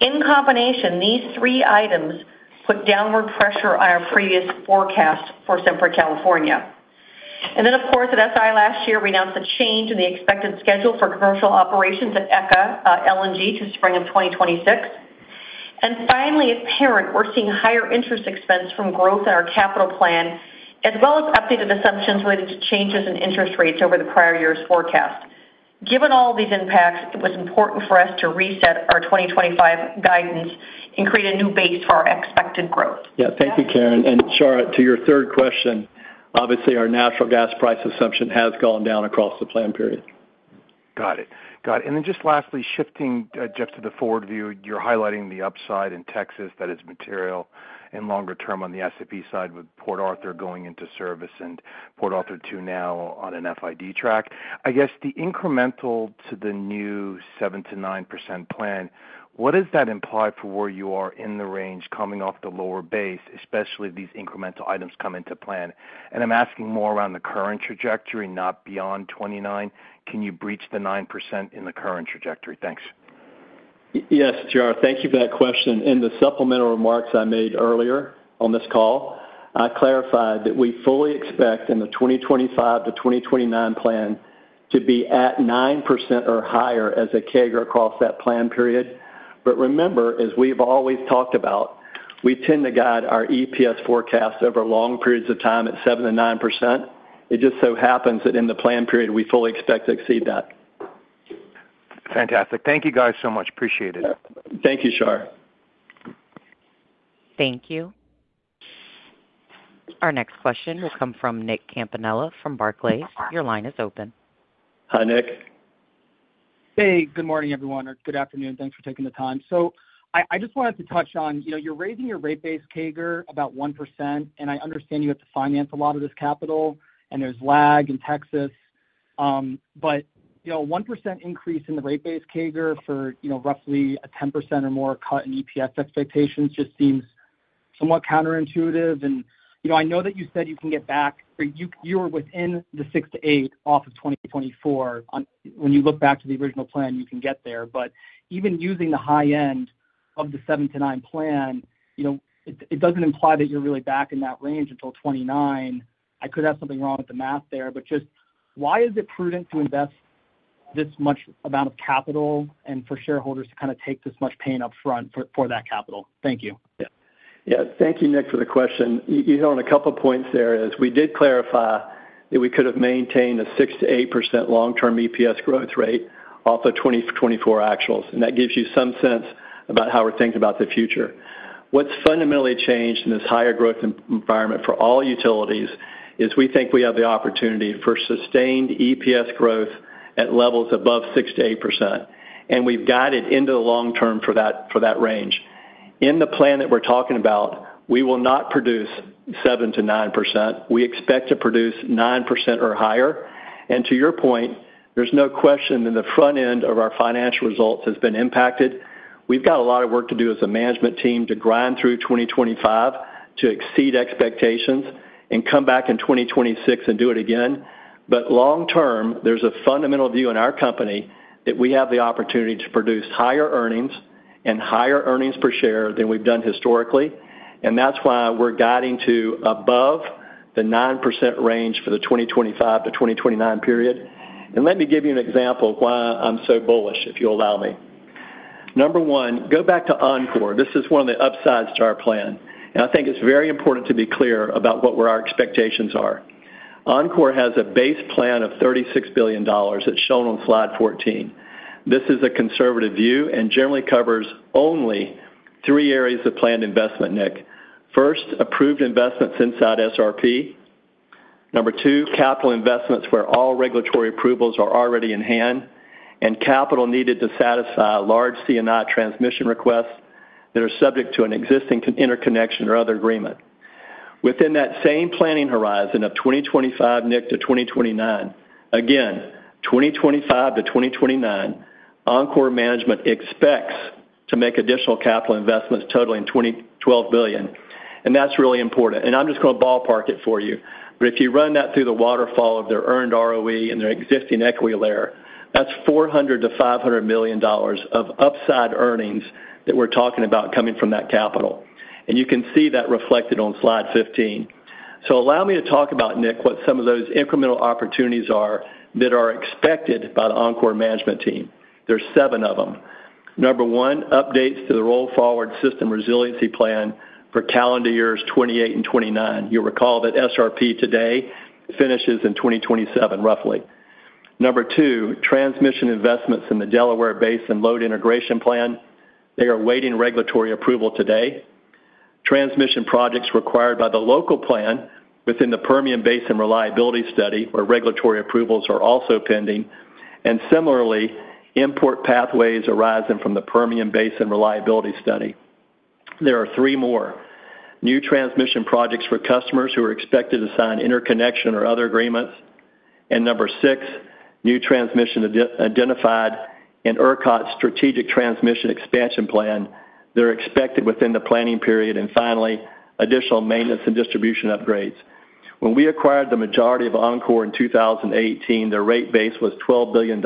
In combination, these three items put downward pressure on our previous forecast for Sempra California. And then, of course, at SI last year, we announced a change in the expected schedule for commercial operations at ECA LNG to spring of 2026. And finally, at parent, we're seeing higher interest expense from growth in our capital plan, as well as updated assumptions related to changes in interest rates over the prior year's forecast. Given all these impacts, it was important for us to reset our 2025 guidance and create a new base for our expected growth. Yeah, thank you, Karen. Shar, to your third question, obviously, our natural gas price assumption has gone down across the planned period. Got it. Got it. And then just lastly, shifting, Jeff, to the forward view, you're highlighting the upside in Texas that is material in longer term on the Sempra side with Port Arthur going into service and Port Arthur 2 now on an FID track. I guess the incremental to the new 7%-9% plan, what does that imply for where you are in the range coming off the lower base, especially if these incremental items come into plan? And I'm asking more around the current trajectory, not beyond 29. Can you breach the 9% in the current trajectory? Thanks. Yes, Shar, thank you for that question. In the supplemental remarks I made earlier on this call, I clarified that we fully expect in the 2025 to 2029 plan to be at 9% or higher as a CAGR across that planned period. But remember, as we've always talked about, we tend to guide our EPS forecast over long periods of time at 7%-9%. It just so happens that in the planned period, we fully expect to exceed that. Fantastic. Thank you guys so much. Appreciate it. Thank you, Shar. Thank you. Our next question will come from Nick Campanella from Barclays. Your line is open. Hi, Nick. Hey, good morning, everyone, or good afternoon. Thanks for taking the time. So I just wanted to touch on, you're raising your rate-based CAGR about 1%, and I understand you have to finance a lot of this capital, and there's lag in Texas. But a 1% increase in the rate-based CAGR for roughly a 10% or more cut in EPS expectations just seems somewhat counterintuitive. And I know that you said you can get back, or you were within the 6-8 off of 2024. When you look back to the original plan, you can get there. But even using the high-end of the 7-9 plan, it doesn't imply that you're really back in that range until 2029. I could have something wrong with the math there, but just why is it prudent to invest this much amount of capital and for shareholders to kind of take this much pain upfront for that capital? Thank you. Yeah. Yeah. Thank you, Nick, for the question. You hit on a couple of points there as we did clarify that we could have maintained a 6-8% long-term EPS growth rate off of 2024 actuals. And that gives you some sense about how we're thinking about the future. What's fundamentally changed in this higher growth environment for all utilities is we think we have the opportunity for sustained EPS growth at levels above 6-8%. And we've guided into the long term for that range. In the plan that we're talking about, we will not produce 7-9%. We expect to produce 9% or higher. And to your point, there's no question that the front end of our financial results has been impacted. We've got a lot of work to do as a management team to grind through 2025 to exceed expectations and come back in 2026 and do it again. But long term, there's a fundamental view in our company that we have the opportunity to produce higher earnings and higher earnings per share than we've done historically. And that's why we're guiding to above the 9% range for the 2025 to 2029 period. And let me give you an example of why I'm so bullish, if you'll allow me. Number one, go back to Oncor. This is one of the upsides to our plan. And I think it's very important to be clear about what our expectations are. Oncor has a base plan of $36 billion. It's shown on slide 14. This is a conservative view and generally covers only three areas of planned investment, Nick. First, approved investments inside SRP. Number two, capital investments where all regulatory approvals are already in hand and capital needed to satisfy large C&I transmission requests that are subject to an existing interconnection or other agreement. Within that same planning horizon of 2025, Nick, to 2029, again, 2025 to 2029, Oncor management expects to make additional capital investments totaling $12 billion. That's really important. I'm just going to ballpark it for you. If you run that through the waterfall of their earned ROE and their existing equity layer, that's $400-$500 million of upside earnings that we're talking about coming from that capital. You can see that reflected on slide 15. Allow me to talk about, Nick, what some of those incremental opportunities are that are expected by the Oncor management team. There's seven of them. Number one, updates to the roll-forward System Resiliency Plan for calendar years 2028 and 2029. You'll recall that SRP today finishes in 2027, roughly. Number two, transmission investments in the Delaware Basin Load Integration Plan. They are waiting regulatory approval today. Transmission projects required by the local plan within the Permian Basin reliability study where regulatory approvals are also pending. And similarly, import pathways arising from the Permian Basin reliability study. There are three more: new transmission projects for customers who are expected to sign interconnection or other agreements. And number six, new transmission identified in ERCOT's Strategic Transmission Expansion Plan. They're expected within the planning period. And finally, additional maintenance and distribution upgrades. When we acquired the majority of Oncor in 2018, their rate base was $12 billion.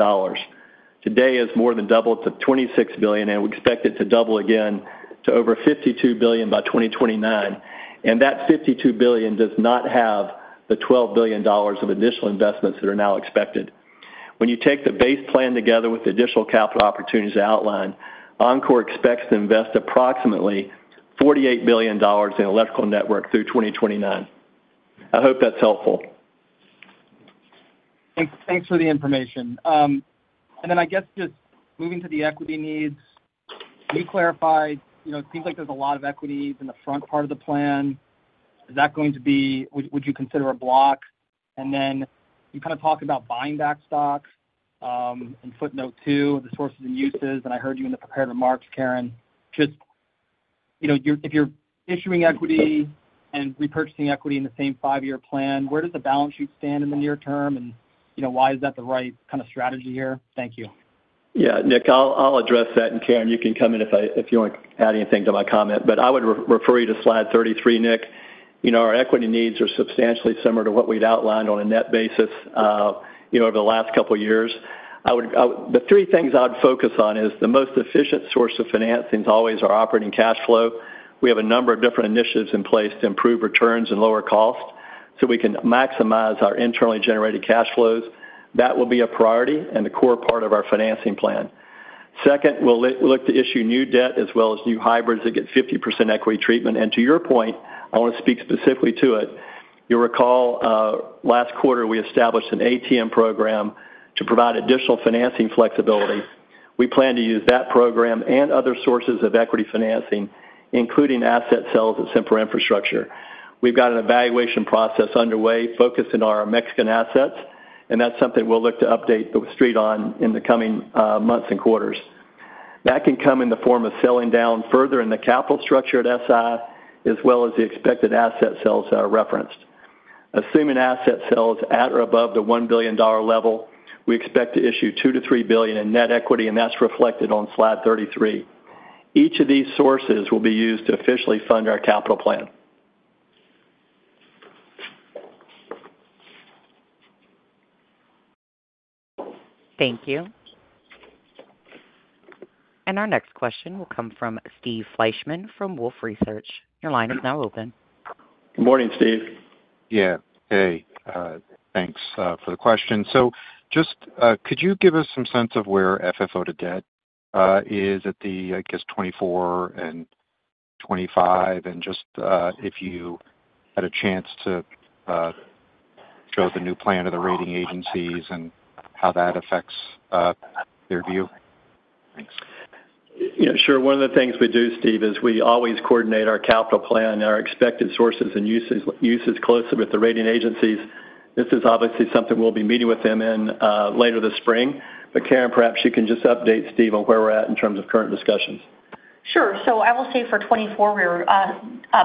Today, it has more than doubled to $26 billion, and we expect it to double again to over $52 billion by 2029. And that $52 billion does not have the $12 billion of additional investments that are now expected. When you take the base plan together with additional capital opportunities outlined, Oncor expects to invest approximately $48 billion in electrical network through 2029. I hope that's helpful. Thanks for the information. And then I guess just moving to the equity needs, you clarified it seems like there's a lot of equity needs in the front part of the plan. Is that going to be would you consider a block? And then you kind of talked about buying back stock in footnote two of the sources and uses. And I heard you in the prepared remarks, Karen. Just if you're issuing equity and repurchasing equity in the same five-year plan, where does the balance sheet stand in the near term? And why is that the right kind of strategy here? Thank you. Yeah, Nick, I'll address that. And Karen, you can come in if you want to add anything to my comment. But I would refer you to slide 33, Nick. Our equity needs are substantially similar to what we'd outlined on a net basis over the last couple of years. The three things I'd focus on is the most efficient source of financing is always our operating cash flow. We have a number of different initiatives in place to improve returns and lower costs so we can maximize our internally generated cash flows. That will be a priority and the core part of our financing plan. Second, we'll look to issue new debt as well as new hybrids that get 50% equity treatment. And to your point, I want to speak specifically to it. You'll recall last quarter, we established an ATM program to provide additional financing flexibility. We plan to use that program and other sources of equity financing, including asset sales at Sempra Infrastructure. We've got an evaluation process underway focused on our Mexican assets, and that's something we'll look to update the street on in the coming months and quarters. That can come in the form of selling down further in the capital structure at SI, as well as the expected asset sales that are referenced. Assuming asset sales at or above the $1 billion level, we expect to issue $2-$3 billion in net equity, and that's reflected on slide 33. Each of these sources will be used to officially fund our capital plan. Thank you. Our next question will come from Steve Fleishman from Wolfe Research. Your line is now open. Good morning, Steve. Yeah. Hey. Thanks for the question. So just could you give us some sense of where FFO to Debt is at the, I guess, 2024 and 2025? And just if you had a chance to show the new plan to the rating agencies and how that affects their view? Thanks. Yeah, sure. One of the things we do, Steve, is we always coordinate our capital plan and our expected sources and uses closely with the rating agencies. This is obviously something we'll be meeting with them in later this spring. But Karen, perhaps you can just update Steve on where we're at in terms of current discussions. Sure. I will say for 2024, we're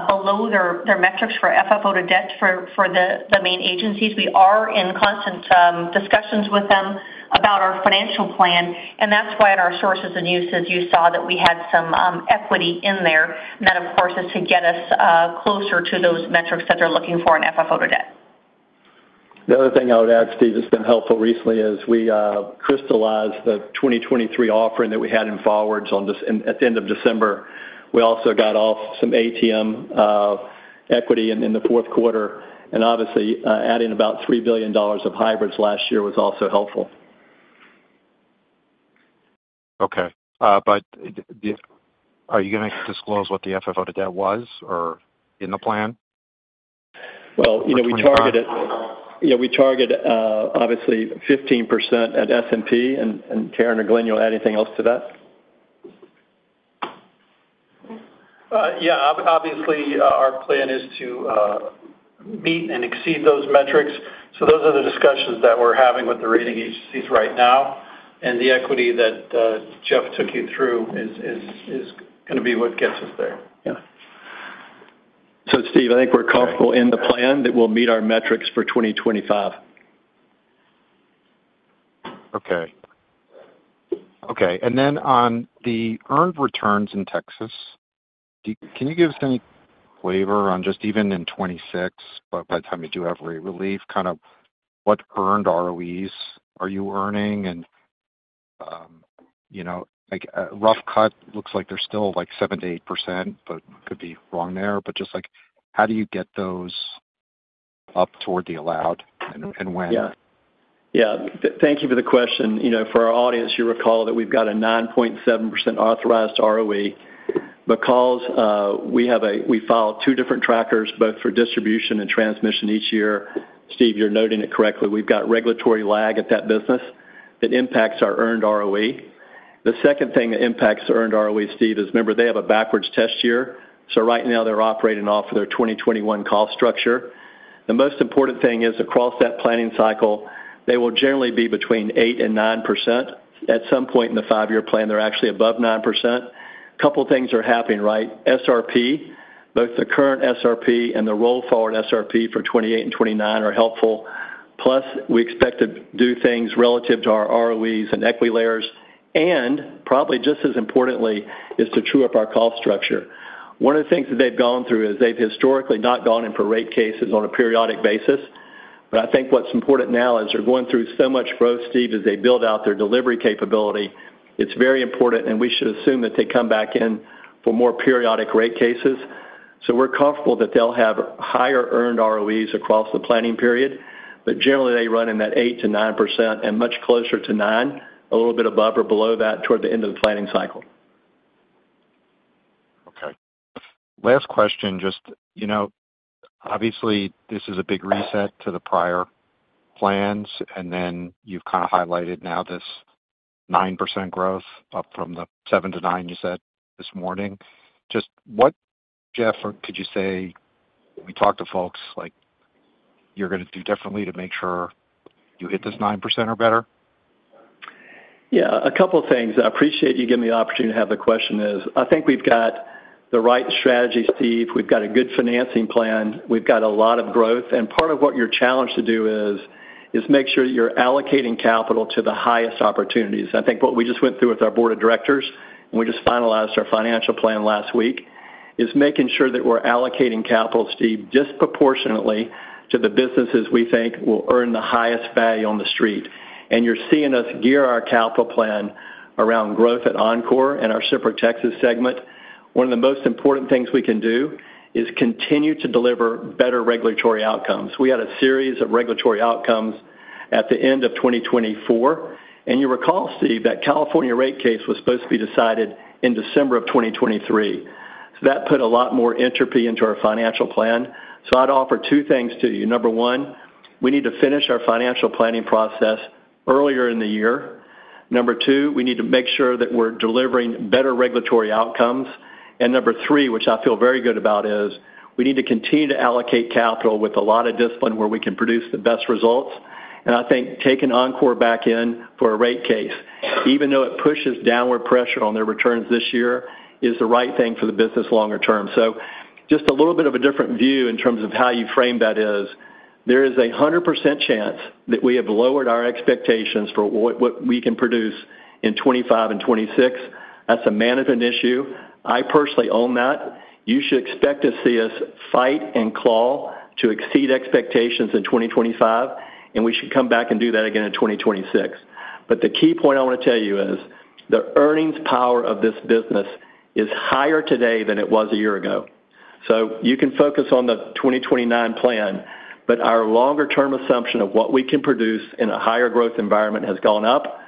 below their metrics for FFO to debt for the main agencies. We are in constant discussions with them about our financial plan. That's why in our sources and uses, you saw that we had some equity in there. That, of course, is to get us closer to those metrics that they're looking for in FFO to debt. The other thing I would add, Steve, that's been helpful recently is we crystallized the 2023 offering that we had in forwards at the end of December. We also got off some ATM equity in the fourth quarter. Obviously, adding about $3 billion of hybrids last year was also helpful. Okay. Are you going to disclose what the FFO to debt was or in the plan? We target it. Yeah, we target, obviously, 15% at S&P. And Karen or Glen, you'll add anything else to that? Yeah. Obviously, our plan is to meet and exceed those metrics. So those are the discussions that we're having with the rating agencies right now. And the equity that Jeff took you through is going to be what gets us there. Yeah. So, Steve, I think we're comfortable in the plan that we'll meet our metrics for 2025. Okay. Okay. And then on the earned returns in Texas, can you give us any flavor on just even in 2026, by the time you do have rate relief, kind of what earned ROEs are you earning? And rough cut looks like they're still like 7%-8%, but could be wrong there. But just how do you get those up toward the allowed and when? Yeah. Yeah. Thank you for the question. For our audience, you recall that we've got a 9.7% authorized ROE because we file two different trackers, both for distribution and transmission each year. Steve, you're noting it correctly. We've got regulatory lag at that business that impacts our earned ROE. The second thing that impacts the earned ROE, Steve, is remember they have a backwards test year. So right now, they're operating off of their 2021 cost structure. The most important thing is across that planning cycle, they will generally be between 8% and 9%. At some point in the five-year plan, they're actually above 9%. A couple of things are happening, right? SRP, both the current SRP and the roll-forward SRP for 2028 and 2029 are helpful. Plus, we expect to do things relative to our ROEs and equity layers. And probably just as importantly is to true up our cost structure. One of the things that they've gone through is they've historically not gone in for rate cases on a periodic basis. But I think what's important now is they're going through so much growth, Steve, as they build out their delivery capability. It's very important, and we should assume that they come back in for more periodic rate cases. So we're comfortable that they'll have higher earned ROEs across the planning period. But generally, they run in that 8-9% and much closer to 9%, a little bit above or below that toward the end of the planning cycle. Okay. Last question. Just obviously, this is a big reset to the prior plans. And then you've kind of highlighted now this 9% growth up from the 7-9 you said this morning. Just what, Jeff, could you say when we talk to folks like what you're going to do differently to make sure you hit this 9% or better? Yeah. A couple of things. I appreciate you giving me the opportunity. The question is, I think we've got the right strategy, Steve. We've got a good financing plan. We've got a lot of growth. And part of what you're challenged to do is make sure that you're allocating capital to the highest opportunities. I think what we just went through with our board of directors, and we just finalized our financial plan last week, is making sure that we're allocating capital, Steve, disproportionately to the businesses we think will earn the highest value on the street. And you're seeing us gear our capital plan around growth at Oncor and our Sempra Texas segment. One of the most important things we can do is continue to deliver better regulatory outcomes. We had a series of regulatory outcomes at the end of 2024. And you recall, Steve, that California rate case was supposed to be decided in December of 2023. So that put a lot more entropy into our financial plan. So I'd offer two things to you. Number one, we need to finish our financial planning process earlier in the year. Number two, we need to make sure that we're delivering better regulatory outcomes. And number three, which I feel very good about, is we need to continue to allocate capital with a lot of discipline where we can produce the best results. And I think taking Oncor back in for a rate case, even though it pushes downward pressure on their returns this year, is the right thing for the business longer term. So just a little bit of a different view in terms of how you frame that is, there is a 100% chance that we have lowered our expectations for what we can produce in 2025 and 2026. That's a management issue. I personally own that. You should expect to see us fight and claw to exceed expectations in 2025, and we should come back and do that again in 2026, but the key point I want to tell you is the earnings power of this business is higher today than it was a year ago, so you can focus on the 2029 plan, but our longer-term assumption of what we can produce in a higher growth environment has gone up,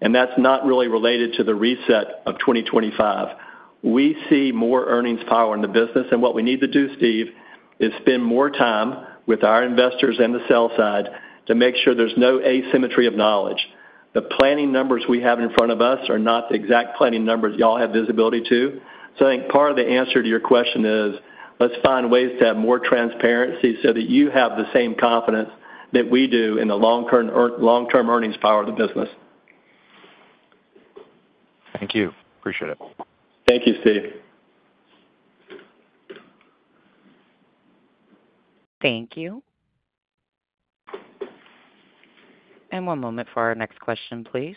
and that's not really related to the reset of 2025. We see more earnings power in the business. And what we need to do, Steve, is spend more time with our investors and the sell side to make sure there's no asymmetry of knowledge. The planning numbers we have in front of us are not the exact planning numbers y'all have visibility to. So I think part of the answer to your question is let's find ways to have more transparency so that you have the same confidence that we do in the long-term earnings power of the business. Thank you. Appreciate it. Thank you, Steve. Thank you. And one moment for our next question, please.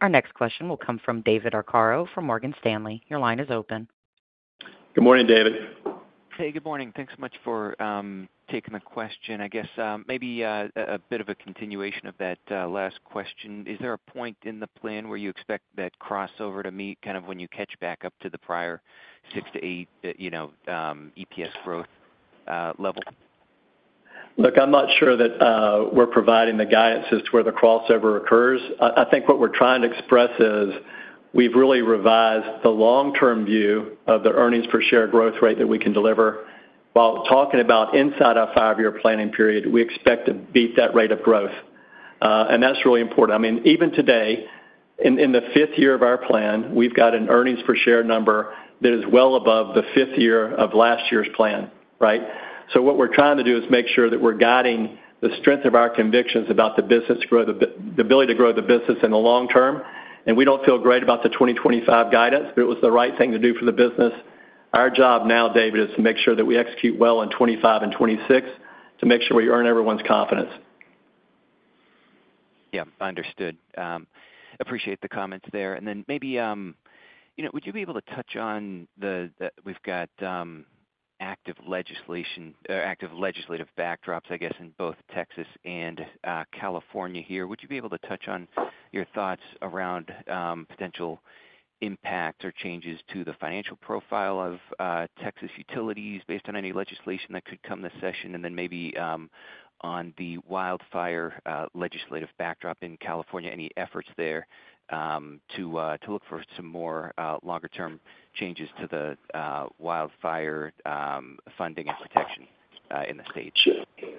Our next question will come from David Arcaro from Morgan Stanley. Your line is open. Good morning, David. Hey, good morning. Thanks so much for taking the question. I guess maybe a bit of a continuation of that last question. Is there a point in the plan where you expect that crossover to meet kind of when you catch back up to the prior six to eight EPS growth level? Look, I'm not sure that we're providing the guidance as to where the crossover occurs. I think what we're trying to express is we've really revised the long-term view of the earnings per share growth rate that we can deliver. While talking about inside our five-year planning period, we expect to beat that rate of growth. And that's really important. I mean, even today, in the fifth year of our plan, we've got an earnings per share number that is well above the fifth year of last year's plan, right? So what we're trying to do is make sure that we're guiding the strength of our convictions about the business, the ability to grow the business in the long term. We don't feel great about the 2025 guidance, but it was the right thing to do for the business. Our job now, David, is to make sure that we execute well in 2025 and 2026 to make sure we earn everyone's confidence. Yeah. Understood. Appreciate the comments there. Maybe would you be able to touch on that we've got active legislation or active legislative backdrops, I guess, in both Texas and California here. Would you be able to touch on your thoughts around potential impacts or changes to the financial profile of Texas utilities based on any legislation that could come this session? Maybe on the wildfire legislative backdrop in California, any efforts there to look for some more longer-term changes to the wildfire funding and protection in the state? Sure.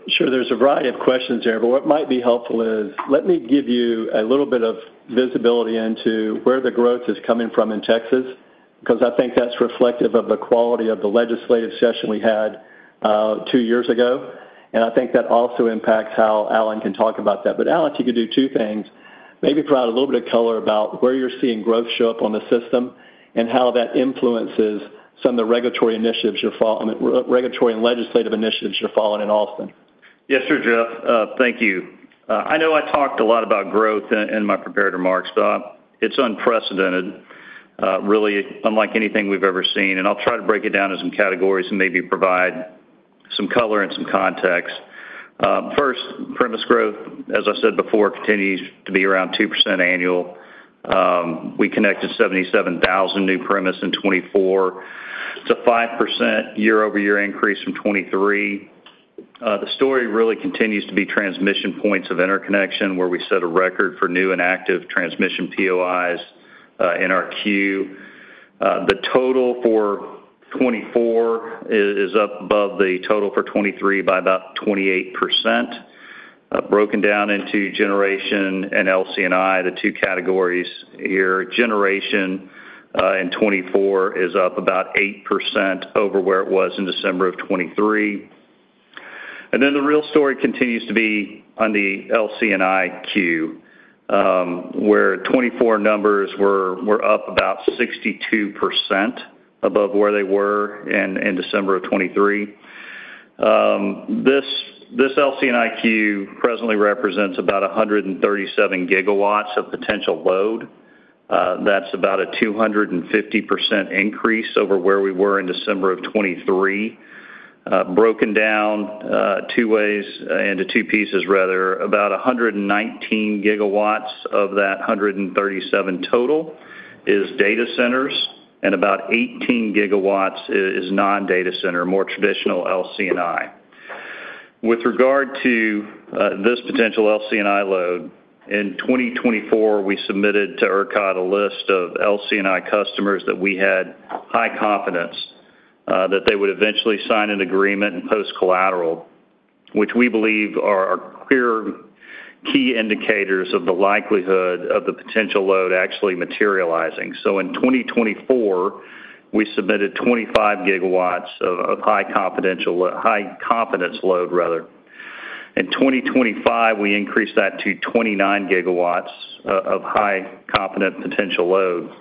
Sure. There's a variety of questions there, but what might be helpful is let me give you a little bit of visibility into where the growth is coming from in Texas because I think that's reflective of the quality of the legislative session we had two years ago, and I think that also impacts how Allen can talk about that, but Allen, if you could do two things, maybe provide a little bit of color about where you're seeing growth show up on the system and how that influences some of the regulatory initiatives you're following and regulatory and legislative initiatives you're following in Austin. Yes, sir, Jeff. Thank you. I know I talked a lot about growth in my prepared remarks, but it's unprecedented, really, unlike anything we've ever seen, and I'll try to break it down into some categories and maybe provide some color and some context. First, premises growth, as I said before, continues to be around 2% annual. We connected 77,000 new premises in 2024. It's a 5% year-over-year increase from 2023. The story really continues to be transmission points of interconnection where we set a record for new and active transmission POIs in our queue. The total for 2024 is up above the total for 2023 by about 28%. Broken down into generation and LC&I, the two categories here, generation in 2024 is up about 8% over where it was in December of 2023. Then the real story continues to be on the LC&I queue, where 2024 numbers were up about 62% above where they were in December of 2023. This LC&I queue presently represents about 137 GW of potential load. That's about a 250% increase over where we were in December of 2023. Broken down two ways into two pieces, rather, about 119 GW of that 137 total is data centers, and about 18 GW is non-data center, more traditional C&I. With regard to this potential C&I load, in 2024, we submitted to ERCOT a list of C&I customers that we had high confidence that they would eventually sign an agreement and post collateral, which we believe are clear key indicators of the likelihood of the potential load actually materializing. So in 2024, we submitted 25 GW of high confidence load, rather. In 2025, we increased that to 29 GW of high confidence potential load.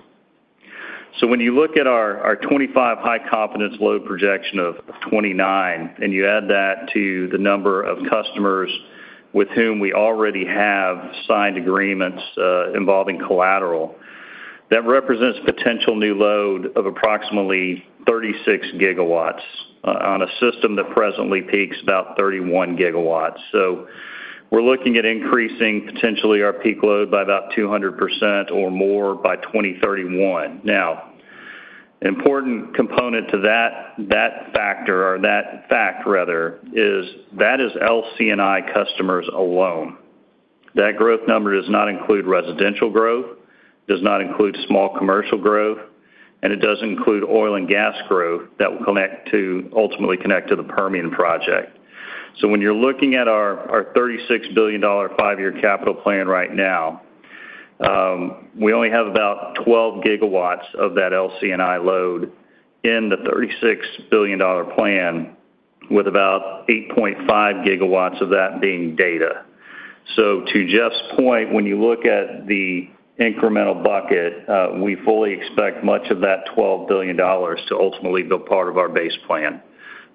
When you look at our 25 high confidence load projection of 29, and you add that to the number of customers with whom we already have signed agreements involving collateral, that represents potential new load of approximately 36 GW on a system that presently peaks about 31 GW. We're looking at increasing potentially our peak load by about 200% or more by 2031. An important component to that factor, or that fact, rather, is that is LC&I customers alone. That growth number does not include residential growth, does not include small commercial growth, and it doesn't include oil and gas growth that will ultimately connect to the Permian project. When you're looking at our $36 billion five-year capital plan right now, we only have about 12 GW of that LC&I load in the $36 billion plan, with about 8.5 GW of that being data. So to Jeff's point, when you look at the incremental bucket, we fully expect much of that $12 billion to ultimately be part of our base plan.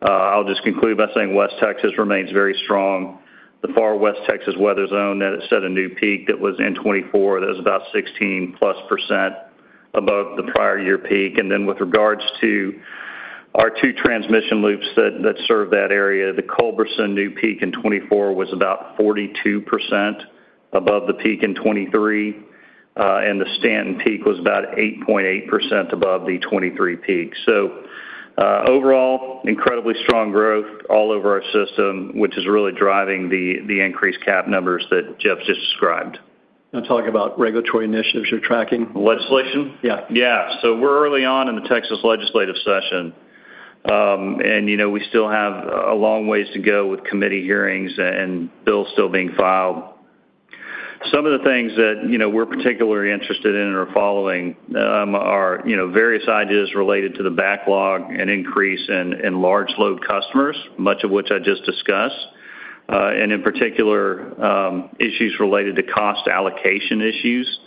I'll just conclude by saying West Texas remains very strong. The far West Texas weather zone that set a new peak that was in 2024, that was about 16+% above the prior year peak. And then with regards to our two transmission loops that serve that area, the Culberson new peak in 2024 was about 42% above the peak in 2023, and the Stanton peak was about 8.8% above the 2023 peak. So overall, incredibly strong growth all over our system, which is really driving the increased cap numbers that Jeff just described. I'm talking about regulatory initiatives you're tracking? Legislation? Yeah. Yeah. So we're early on in the Texas legislative session, and we still have a long ways to go with committee hearings and bills still being filed. Some of the things that we're particularly interested in or following are various ideas related to the backlog and increase in large load customers, much of which I just discussed, and in particular, issues related to cost allocation issues,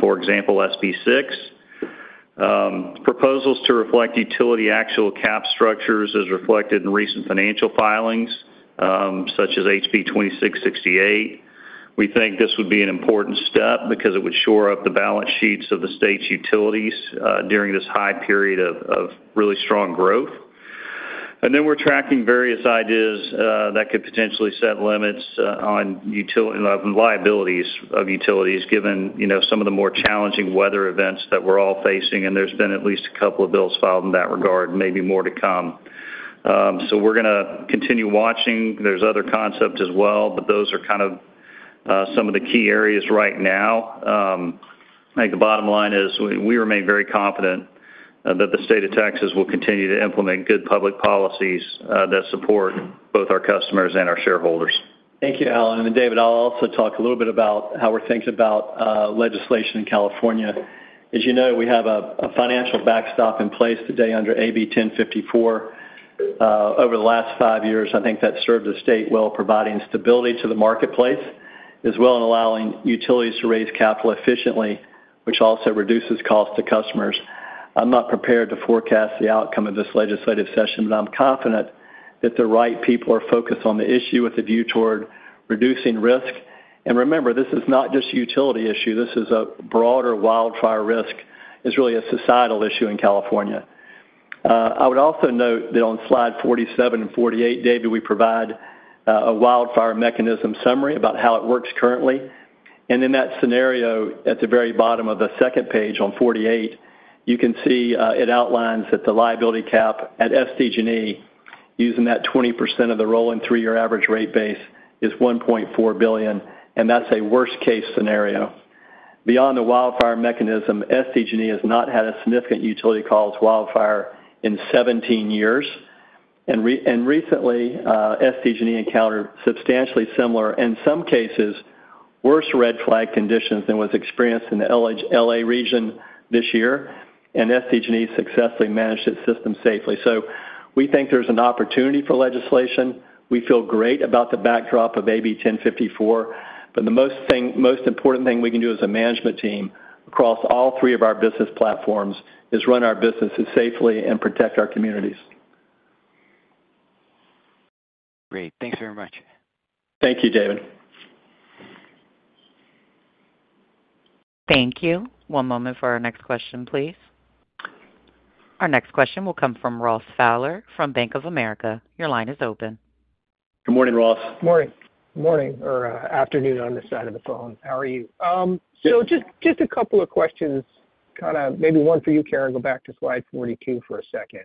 for example, SB 6. Proposals to reflect utility actual capital structures as reflected in recent financial filings, such as HB 2668. We think this would be an important step because it would shore up the balance sheets of the state's utilities during this high period of really strong growth. And then we're tracking various ideas that could potentially set limits on liabilities of utilities, given some of the more challenging weather events that we're all facing. There's been at least a couple of bills filed in that regard, maybe more to come. So we're going to continue watching. There's other concepts as well, but those are kind of some of the key areas right now. I think the bottom line is we remain very confident that the state of Texas will continue to implement good public policies that support both our customers and our shareholders. Thank you, Allen. And David, I'll also talk a little bit about how we're thinking about legislation in California. As you know, we have a financial backstop in place today under AB 1054. Over the last five years, I think that's served the state well, providing stability to the marketplace, as well as allowing utilities to raise capital efficiently, which also reduces costs to customers. I'm not prepared to forecast the outcome of this legislative session, but I'm confident that the right people are focused on the issue with a view toward reducing risk, and remember, this is not just a utility issue. This is a broader wildfire risk. It's really a societal issue in California. I would also note that on slide 47 and 48, David, we provide a wildfire mechanism summary about how it works currently, and in that scenario, at the very bottom of the second page on 48, you can see it outlines that the liability cap at SDG&E, using that 20% of the rolling three-year average rate base, is $1.4 billion, and that's a worst-case scenario. Beyond the wildfire mechanism, SDG&E has not had a significant utility-caused wildfire in 17 years. Recently, SDG&E encountered substantially similar, in some cases, worse red flag conditions than was experienced in the LA region this year. SDG&E successfully managed its system safely. We think there's an opportunity for legislation. We feel great about the backdrop of AB 1054. The most important thing we can do as a management team across all three of our business platforms is run our businesses safely and protect our communities. Great. Thanks very much. Thank you, David. Thank you. One moment for our next question, please. Our next question will come from Ross Fowler from Bank of America. Your line is open. Good morning, Ross. Good morning. Good morning or afternoon on this side of the phone. How are you? Just a couple of questions, kind of maybe one for you, Karen. Go back to slide 42 for a second.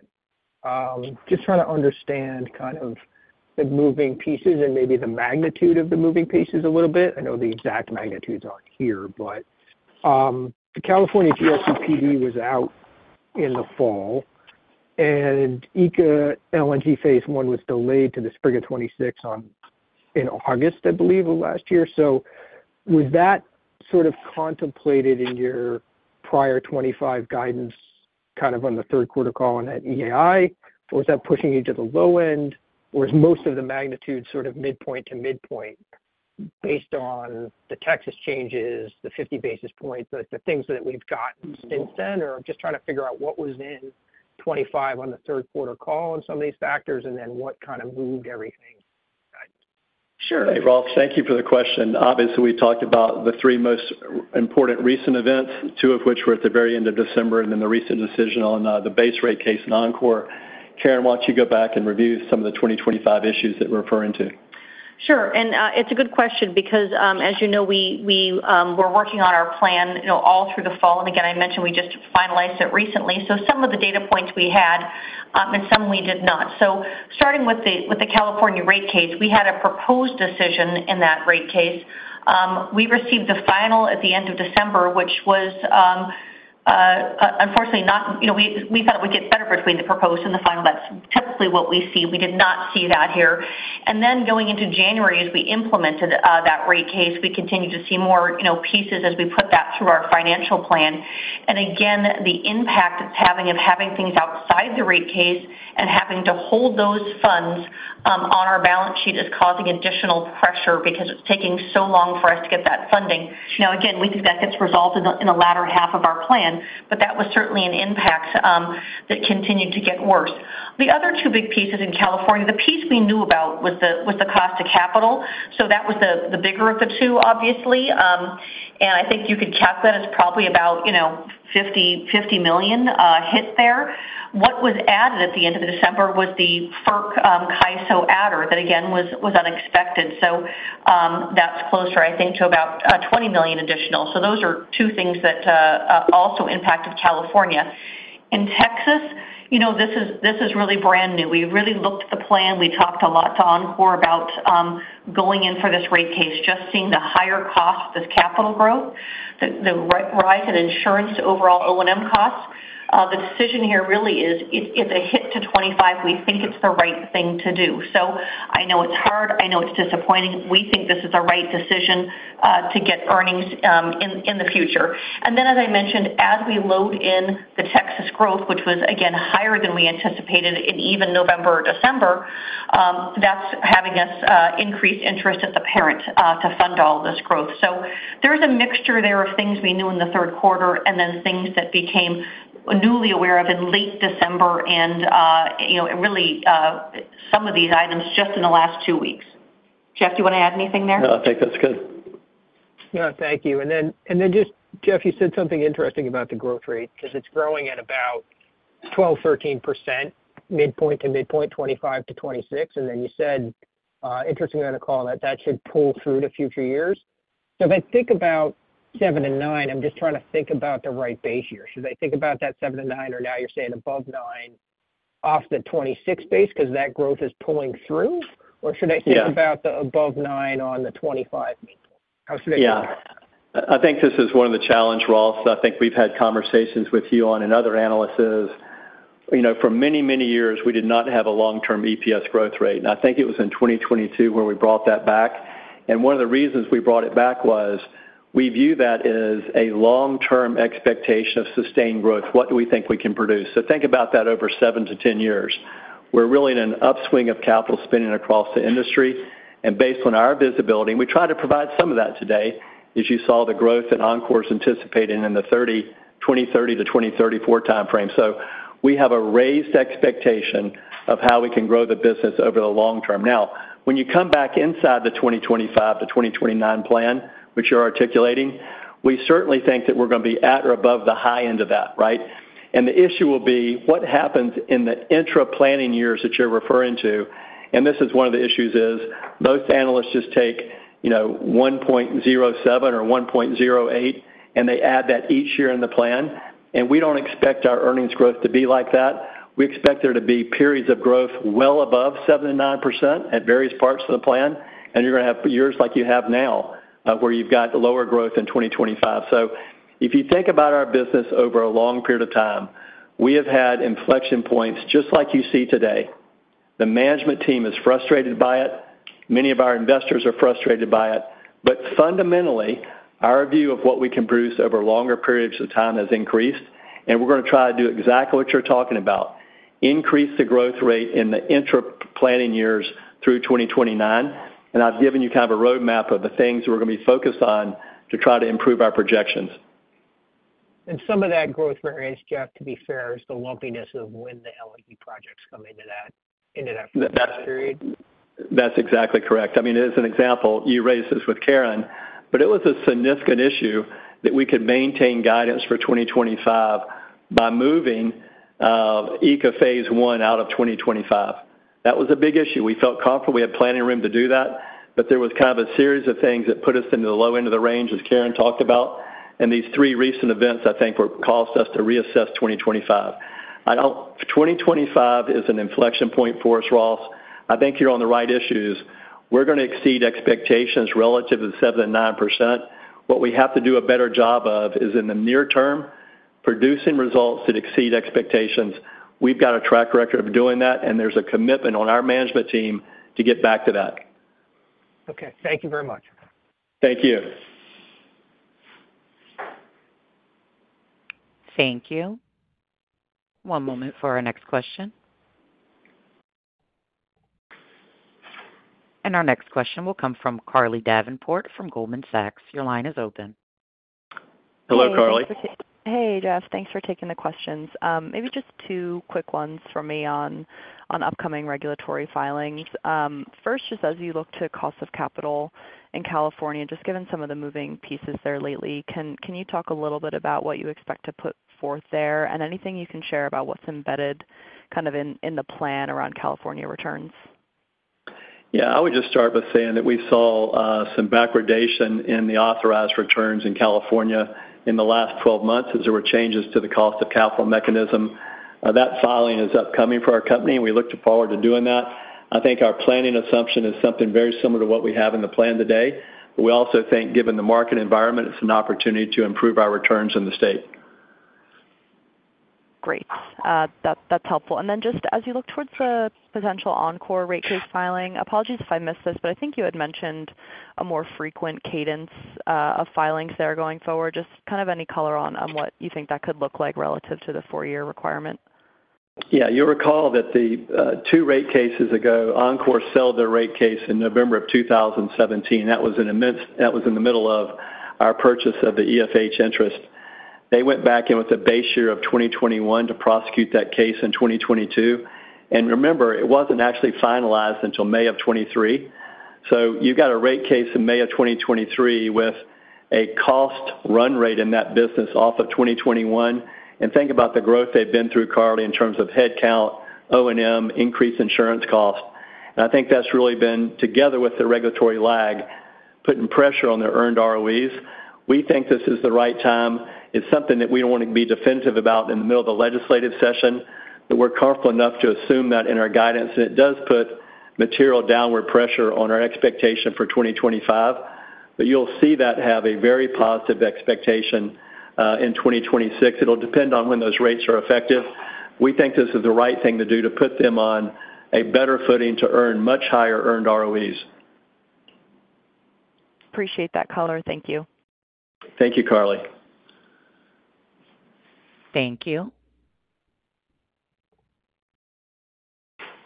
Just trying to understand kind of the moving pieces and maybe the magnitude of the moving pieces a little bit. I know the exact magnitudes aren't here, but the California GRC PD was out in the fall, and ECA LNG phase one was delayed to the spring of 2026 in August, I believe, of last year. So was that sort of contemplated in your prior 2025 guidance kind of on the third quarter call on that ECA, or was that pushing you to the low end, or is most of the magnitude sort of midpoint to midpoint based on the Texas changes, the 50 basis points, the things that we've got since then, or just trying to figure out what was in 2025 on the third quarter call on some of these factors, and then what kind of moved everything? Sure. Hey, Ross, thank you for the question. Obviously, we talked about the three most important recent events, two of which were at the very end of December, and then the recent decision on the base rate case in Oncor. Karen, why don't you go back and review some of the 2025 issues that we're referring to? Sure. And it's a good question because, as you know, we were working on our plan all through the fall. And again, I mentioned we just finalized it recently. So some of the data points we had, and some we did not. So starting with the California rate case, we had a proposed decision in that rate case. We received the final at the end of December, which was unfortunately not, we thought, it would get better between the proposed and the final. That's typically what we see. We did not see that here. And then going into January, as we implemented that rate case, we continued to see more pieces as we put that through our financial plan. And again, the impact it's having of having things outside the rate case and having to hold those funds on our balance sheet is causing additional pressure because it's taking so long for us to get that funding. Now, again, we think that gets resolved in the latter half of our plan, but that was certainly an impact that continued to get worse. The other two big pieces in California, the piece we knew about was the cost of capital. So that was the bigger of the two, obviously. And I think you could calculate it's probably about a $50 million hit there. What was added at the end of December was the FERC CAISO adder that, again, was unexpected. So that's closer, I think, to about $20 million additional. So those are two things that also impacted California. In Texas, this is really brand new. We really looked at the plan. We talked a lot to Oncor about going in for this rate case, just seeing the higher cost, this capital growth, the rise in insurance, overall O&M costs. The decision here really is, if it hit to 25, we think it's the right thing to do. So I know it's hard. I know it's disappointing. We think this is the right decision to get earnings in the future. And then, as I mentioned, as we load in the Texas growth, which was, again, higher than we anticipated in even November or December, that's having us increase interest at the parent to fund all this growth. So there's a mixture there of things we knew in the third quarter and then things that became newly aware of in late December and really some of these items just in the last two weeks. Jeff, do you want to add anything there? No, I think that's good. No, thank you. And then just, Jeff, you said something interesting about the growth rate because it's growing at about 12%-13%, midpoint to midpoint, 25-26. And then you said, interestingly on a call, that that should pull through to future years. So if I think about seven and nine, I'm just trying to think about the right base here. Should I think about that seven and nine, or now you're saying above nine off the 26 base because that growth is pulling through? Or should I think about the above nine on the 25? How should I think about that? Yeah. I think this is one of the challenges, Ross. I think we've had conversations with you on and other analysts. For many, many years, we did not have a long-term EPS growth rate. I think it was in 2022 where we brought that back. One of the reasons we brought it back was we view that as a long-term expectation of sustained growth. What do we think we can produce? Think about that over seven to ten years. We're really in an upswing of capital spending across the industry. Based on our visibility, we try to provide some of that today, as you saw the growth that Oncor is anticipating in the 2030 to 2034 timeframe. We have a raised expectation of how we can grow the business over the long term. Now, when you come back inside the 2025 to 2029 plan, which you're articulating, we certainly think that we're going to be at or above the high end of that, right? And the issue will be what happens in the intra-planning years that you're referring to. And this is one of the issues: most analysts just take 1.07 or 1.08, and they add that each year in the plan. And we don't expect our earnings growth to be like that. We expect there to be periods of growth well above 7%-9% at various parts of the plan. And you're going to have years like you have now where you've got lower growth in 2025. So if you think about our business over a long period of time, we have had inflection points just like you see today. The management team is frustrated by it. Many of our investors are frustrated by it, but fundamentally, our view of what we can produce over longer periods of time has increased, and we're going to try to do exactly what you're talking about: increase the growth rate in the intra-planning years through 2029, and I've given you kind of a roadmap of the things we're going to be focused on to try to improve our projections, and some of that growth rate, Jeff, to be fair, is the lumpiness of when the LNG projects come into that period. That's exactly correct. I mean, as an example, you raised this with Karen, but it was a significant issue that we could maintain guidance for 2025 by moving ECA phase one out of 2025. That was a big issue. We felt comfortable. We had planning room to do that. But there was kind of a series of things that put us into the low end of the range, as Karen talked about. And these three recent events, I think, caused us to reassess 2025. 2025 is an inflection point for us, Ross. I think you're on the right issues. We're going to exceed expectations relative to 7%-9%. What we have to do a better job of is in the near term, producing results that exceed expectations. We've got a track record of doing that, and there's a commitment on our management team to get back to that. Okay. Thank you very much. Thank you. Thank you. One moment for our next question. And our next question will come from Carly Davenport from Goldman Sachs. Your line is open. Hello, Carly. Hey, Jeff. Thanks for taking the questions. Maybe just two quick ones for me on upcoming regulatory filings. First, just as you look to cost of capital in California, just given some of the moving pieces there lately, can you talk a little bit about what you expect to put forth there and anything you can share about what's embedded kind of in the plan around California returns? Yeah. I would just start by saying that we saw some backwardation in the authorized returns in California in the last 12 months as there were changes to the cost of capital mechanism. That filing is upcoming for our company, and we look forward to doing that. I think our planning assumption is something very similar to what we have in the plan today. But we also think, given the market environment, it's an opportunity to improve our returns in the state. Great. That's helpful. And then just as you look towards the potential Oncor rate case filing, apologies if I missed this, but I think you had mentioned a more frequent cadence of filings there going forward. Just kind of any color on what you think that could look like relative to the four-year requirement? Yeah. You'll recall that two rate cases ago, Oncor settled their rate case in November of 2017. That was in the middle of our purchase of the EFH interest. They went back in with a base year of 2021 to prosecute that case in 2022. And remember, it wasn't actually finalized until May of 2023. So you've got a rate case in May of 2023 with a cost run rate in that business off of 2021. And think about the growth they've been through, Carly, in terms of head count, O&M, increased insurance cost. And I think that's really been, together with the regulatory lag, putting pressure on their earned ROEs. We think this is the right time. It's something that we don't want to be definitive about in the middle of the legislative session, but we're comfortable enough to assume that in our guidance. And it does put material downward pressure on our expectation for 2025. But you'll see that have a very positive expectation in 2026. It'll depend on when those rates are effective. We think this is the right thing to do to put them on a better footing to earn much higher earned ROEs. Appreciate that color. Thank you. Thank you, Carly. Thank you.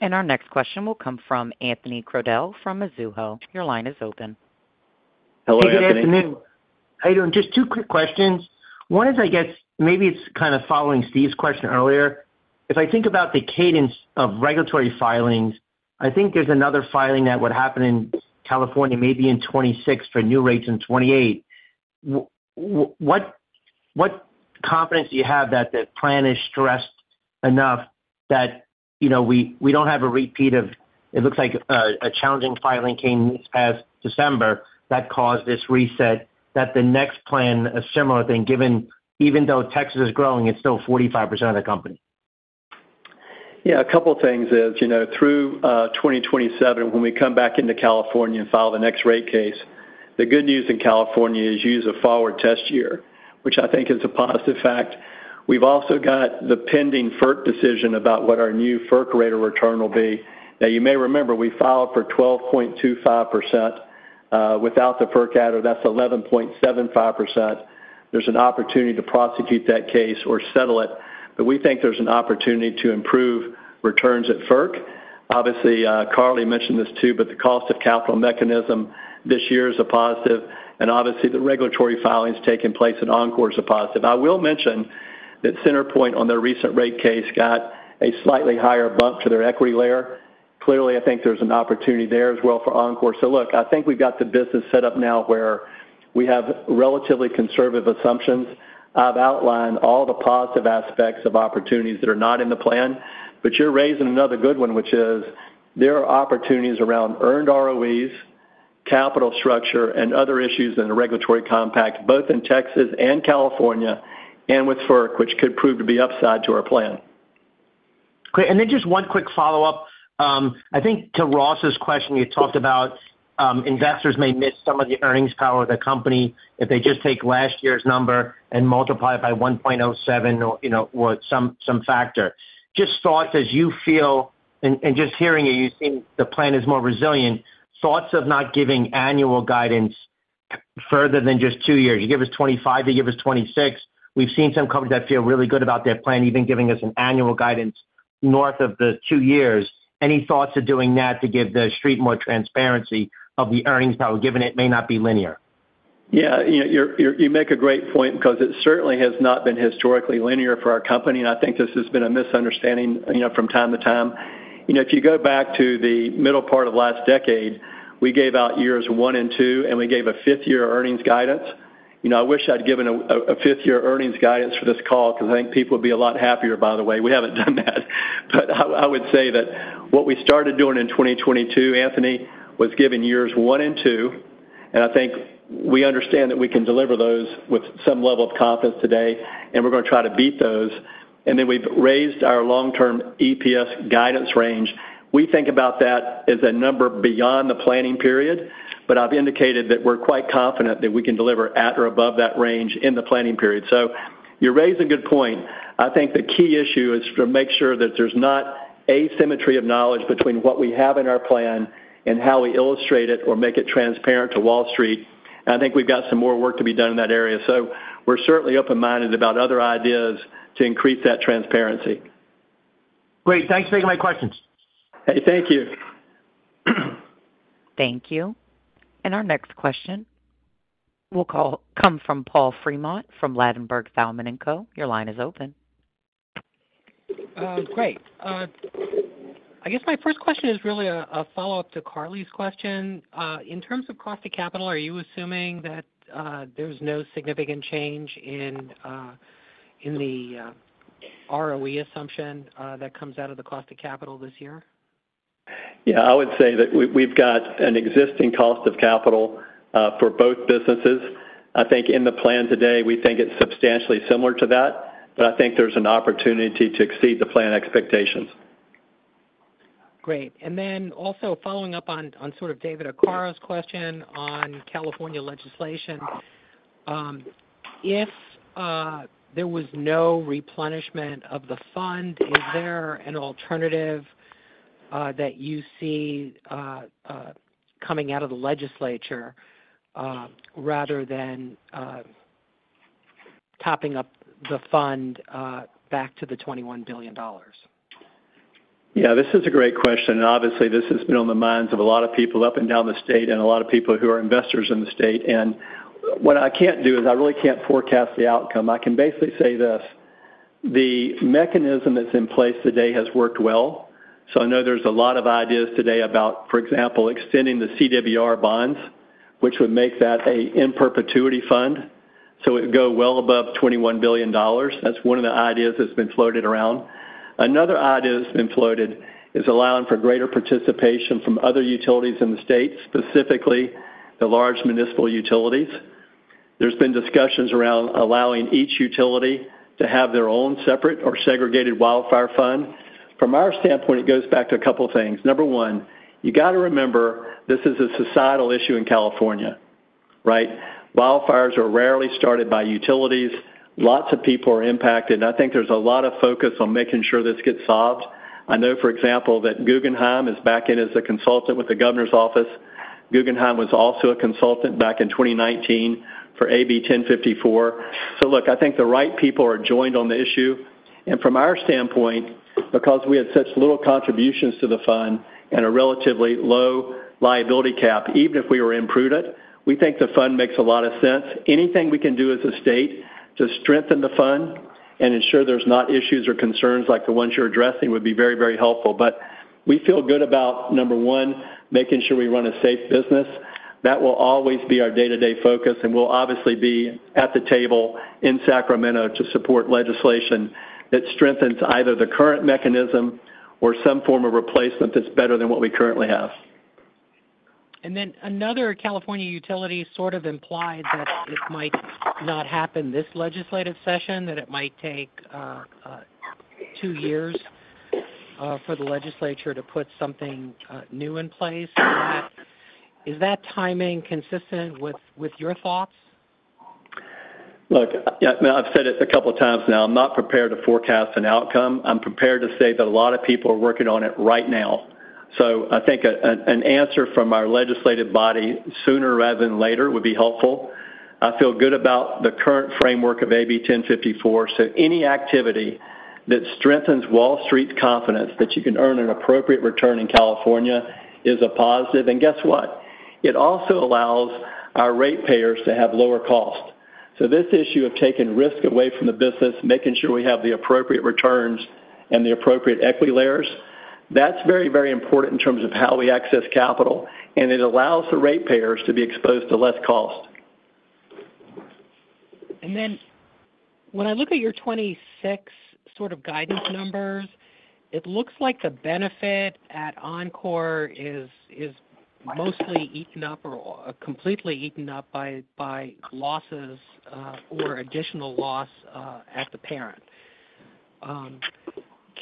And our next question will come from Anthony Crowdell from Mizuho. Your line is open. Hello, Anthony. Good afternoon. How are you doing? Just two quick questions. One is, I guess, maybe it's kind of following Steve's question earlier. If I think about the cadence of regulatory filings, I think there's another filing that would happen in California, maybe in 2026 for new rates in 2028. What confidence do you have that the plan is stressed enough that we don't have a repeat of, it looks like, a challenging filing came this past December that caused this reset, that the next plan, a similar thing, given even though Texas is growing, it's still 45% of the company? Yeah. A couple of things is through 2027, when we come back into California and file the next rate case, the good news in California is you use a forward test year, which I think is a positive fact. We've also got the pending FERC decision about what our new FERC rate of return will be. Now, you may remember we filed for 12.25% without the FERC adder. That's 11.75%. There's an opportunity to prosecute that case or settle it. But we think there's an opportunity to improve returns at FERC. Obviously, Carly mentioned this too, but the cost of capital mechanism this year is a positive. And obviously, the regulatory filings taking place at Oncor is a positive. I will mention that CenterPoint, on their recent rate case, got a slightly higher bump to their equity layer. Clearly, I think there's an opportunity there as well for Oncor. So look, I think we've got the business set up now where we have relatively conservative assumptions. I've outlined all the positive aspects of opportunities that are not in the plan. But you're raising another good one, which is there are opportunities around earned ROEs, capital structure, and other issues in the regulatory compact, both in Texas and California and with FERC, which could prove to be upside to our plan. Great. And then just one quick follow-up. I think to Ross's question, you talked about investors may miss some of the earnings power of the company if they just take last year's number and multiply it by 1.07 or some factor. Just thoughts, as you feel, and just hearing you, you seem the plan is more resilient. Thoughts of not giving annual guidance further than just two years? You give us 2025, you give us 2026. We've seen some companies that feel really good about their plan, even giving us an annual guidance north of the two years. Any thoughts of doing that to give the street more transparency of the earnings power, given it may not be linear? Yeah. You make a great point because it certainly has not been historically linear for our company. And I think this has been a misunderstanding from time to time. If you go back to the middle part of last decade, we gave out years one and two, and we gave a fifth-year earnings guidance. I wish I'd given a fifth-year earnings guidance for this call because I think people would be a lot happier, by the way. We haven't done that. But I would say that what we started doing in 2022, Anthony, was giving years one and two. And I think we understand that we can deliver those with some level of confidence today, and we're going to try to beat those. And then we've raised our long-term EPS guidance range. We think about that as a number beyond the planning period, but I've indicated that we're quite confident that we can deliver at or above that range in the planning period. So you're raising a good point. I think the key issue is to make sure that there's not asymmetry of knowledge between what we have in our plan and how we illustrate it or make it transparent to Wall Street. And I think we've got some more work to be done in that area. So we're certainly open-minded about other ideas to increase that transparency. Great. Thanks for taking my questions. Hey, thank you. Thank you. And our next question will come from Paul Fremont from Ladenburg Thalmann & Co. Your line is open. Great. I guess my first question is really a follow-up to Carly's question. In terms of cost of capital, are you assuming that there's no significant change in the ROE assumption that comes out of the cost of capital this year? Yeah. I would say that we've got an existing cost of capital for both businesses. I think in the plan today, we think it's substantially similar to that, but I think there's an opportunity to exceed the planned expectations. Great. And then also following up on sort of David Arcaro's question on California legislation, if there was no replenishment of the fund, is there an alternative that you see coming out of the legislature rather than topping up the fund back to the $21 billion? Yeah. This is a great question. And obviously, this has been on the minds of a lot of people up and down the state and a lot of people who are investors in the state. What I can't do is I really can't forecast the outcome. I can basically say this: the mechanism that's in place today has worked well. I know there's a lot of ideas today about, for example, extending the CWR bonds, which would make that a perpetuity fund. It would go well above $21 billion. That's one of the ideas that's been floated around. Another idea that's been floated is allowing for greater participation from other utilities in the state, specifically the large municipal utilities. There's been discussions around allowing each utility to have their own separate or segregated wildfire fund. From our standpoint, it goes back to a couple of things. Number one, you got to remember this is a societal issue in California, right? Wildfires are rarely started by utilities. Lots of people are impacted. I think there's a lot of focus on making sure this gets solved. I know, for example, that Guggenheim is back in as a consultant with the governor's office. Guggenheim was also a consultant back in 2019 for AB 1054. So look, I think the right people are joined on the issue. And from our standpoint, because we had such little contributions to the fund and a relatively low liability cap, even if we were in prudent, we think the fund makes a lot of sense. Anything we can do as a state to strengthen the fund and ensure there's not issues or concerns like the ones you're addressing would be very, very helpful. But we feel good about, number one, making sure we run a safe business. That will always be our day-to-day focus. We'll obviously be at the table in Sacramento to support legislation that strengthens either the current mechanism or some form of replacement that's better than what we currently have. Another California utility sort of implied that it might not happen this legislative session, that it might take two years for the legislature to put something new in place. Is that timing consistent with your thoughts? Look, I've said it a couple of times now. I'm not prepared to forecast an outcome. I'm prepared to say that a lot of people are working on it right now. I think an answer from our legislative body sooner rather than later would be helpful. I feel good about the current framework of AB 1054. Any activity that strengthens Wall Street's confidence that you can earn an appropriate return in California is a positive. Guess what? It also allows our ratepayers to have lower cost. So this issue of taking risk away from the business, making sure we have the appropriate returns and the appropriate equity layers, that's very, very important in terms of how we access capital. And it allows the ratepayers to be exposed to less cost. And then when I look at your 2026 sort of guidance numbers, it looks like the benefit at Oncor is mostly eaten up or completely eaten up by losses or additional loss at the parent.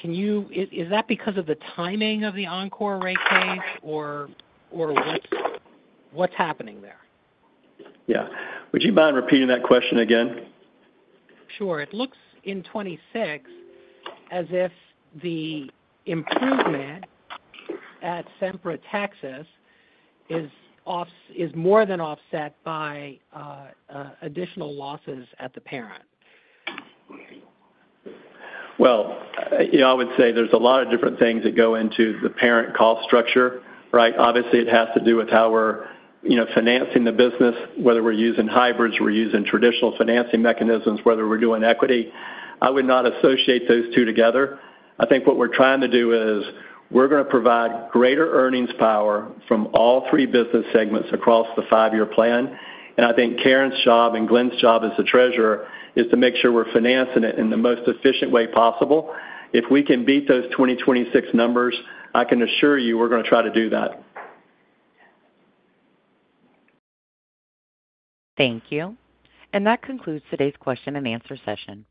Is that because of the timing of the Oncor rate case, or what's happening there? Yeah. Would you mind repeating that question again? Sure. It looks in 2026 as if the improvement at Sempra, Texas, is more than offset by additional losses at the parent. Well, I would say there's a lot of different things that go into the parent cost structure, right? Obviously, it has to do with how we're financing the business, whether we're using hybrids, we're using traditional financing mechanisms, whether we're doing equity. I would not associate those two together. I think what we're trying to do is we're going to provide greater earnings power from all three business segments across the five-year plan. And I think Karen's job and Glen's job as the treasurer is to make sure we're financing it in the most efficient way possible. If we can beat those 2026 numbers, I can assure you we're going to try to do that. Thank you. And that concludes today's question and answer session.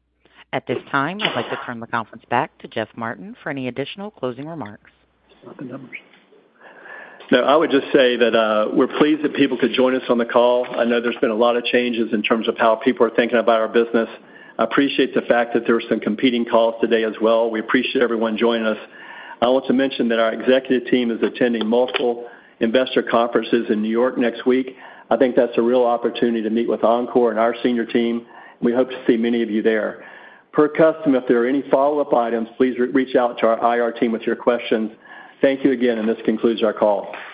At this time, I'd like to turn the conference back to Jeff Martin for any additional closing remarks. No, I would just say that we're pleased that people could join us on the call. I know there's been a lot of changes in terms of how people are thinking about our business. I appreciate the fact that there were some competing calls today as well. We appreciate everyone joining us. I want to mention that our executive team is attending multiple investor conferences in New York next week. I think that's a real opportunity to meet with Oncor and our senior team. We hope to see many of you there. Per custom, if there are any follow-up items, please reach out to our IR team with your questions. Thank you again, and this concludes our call.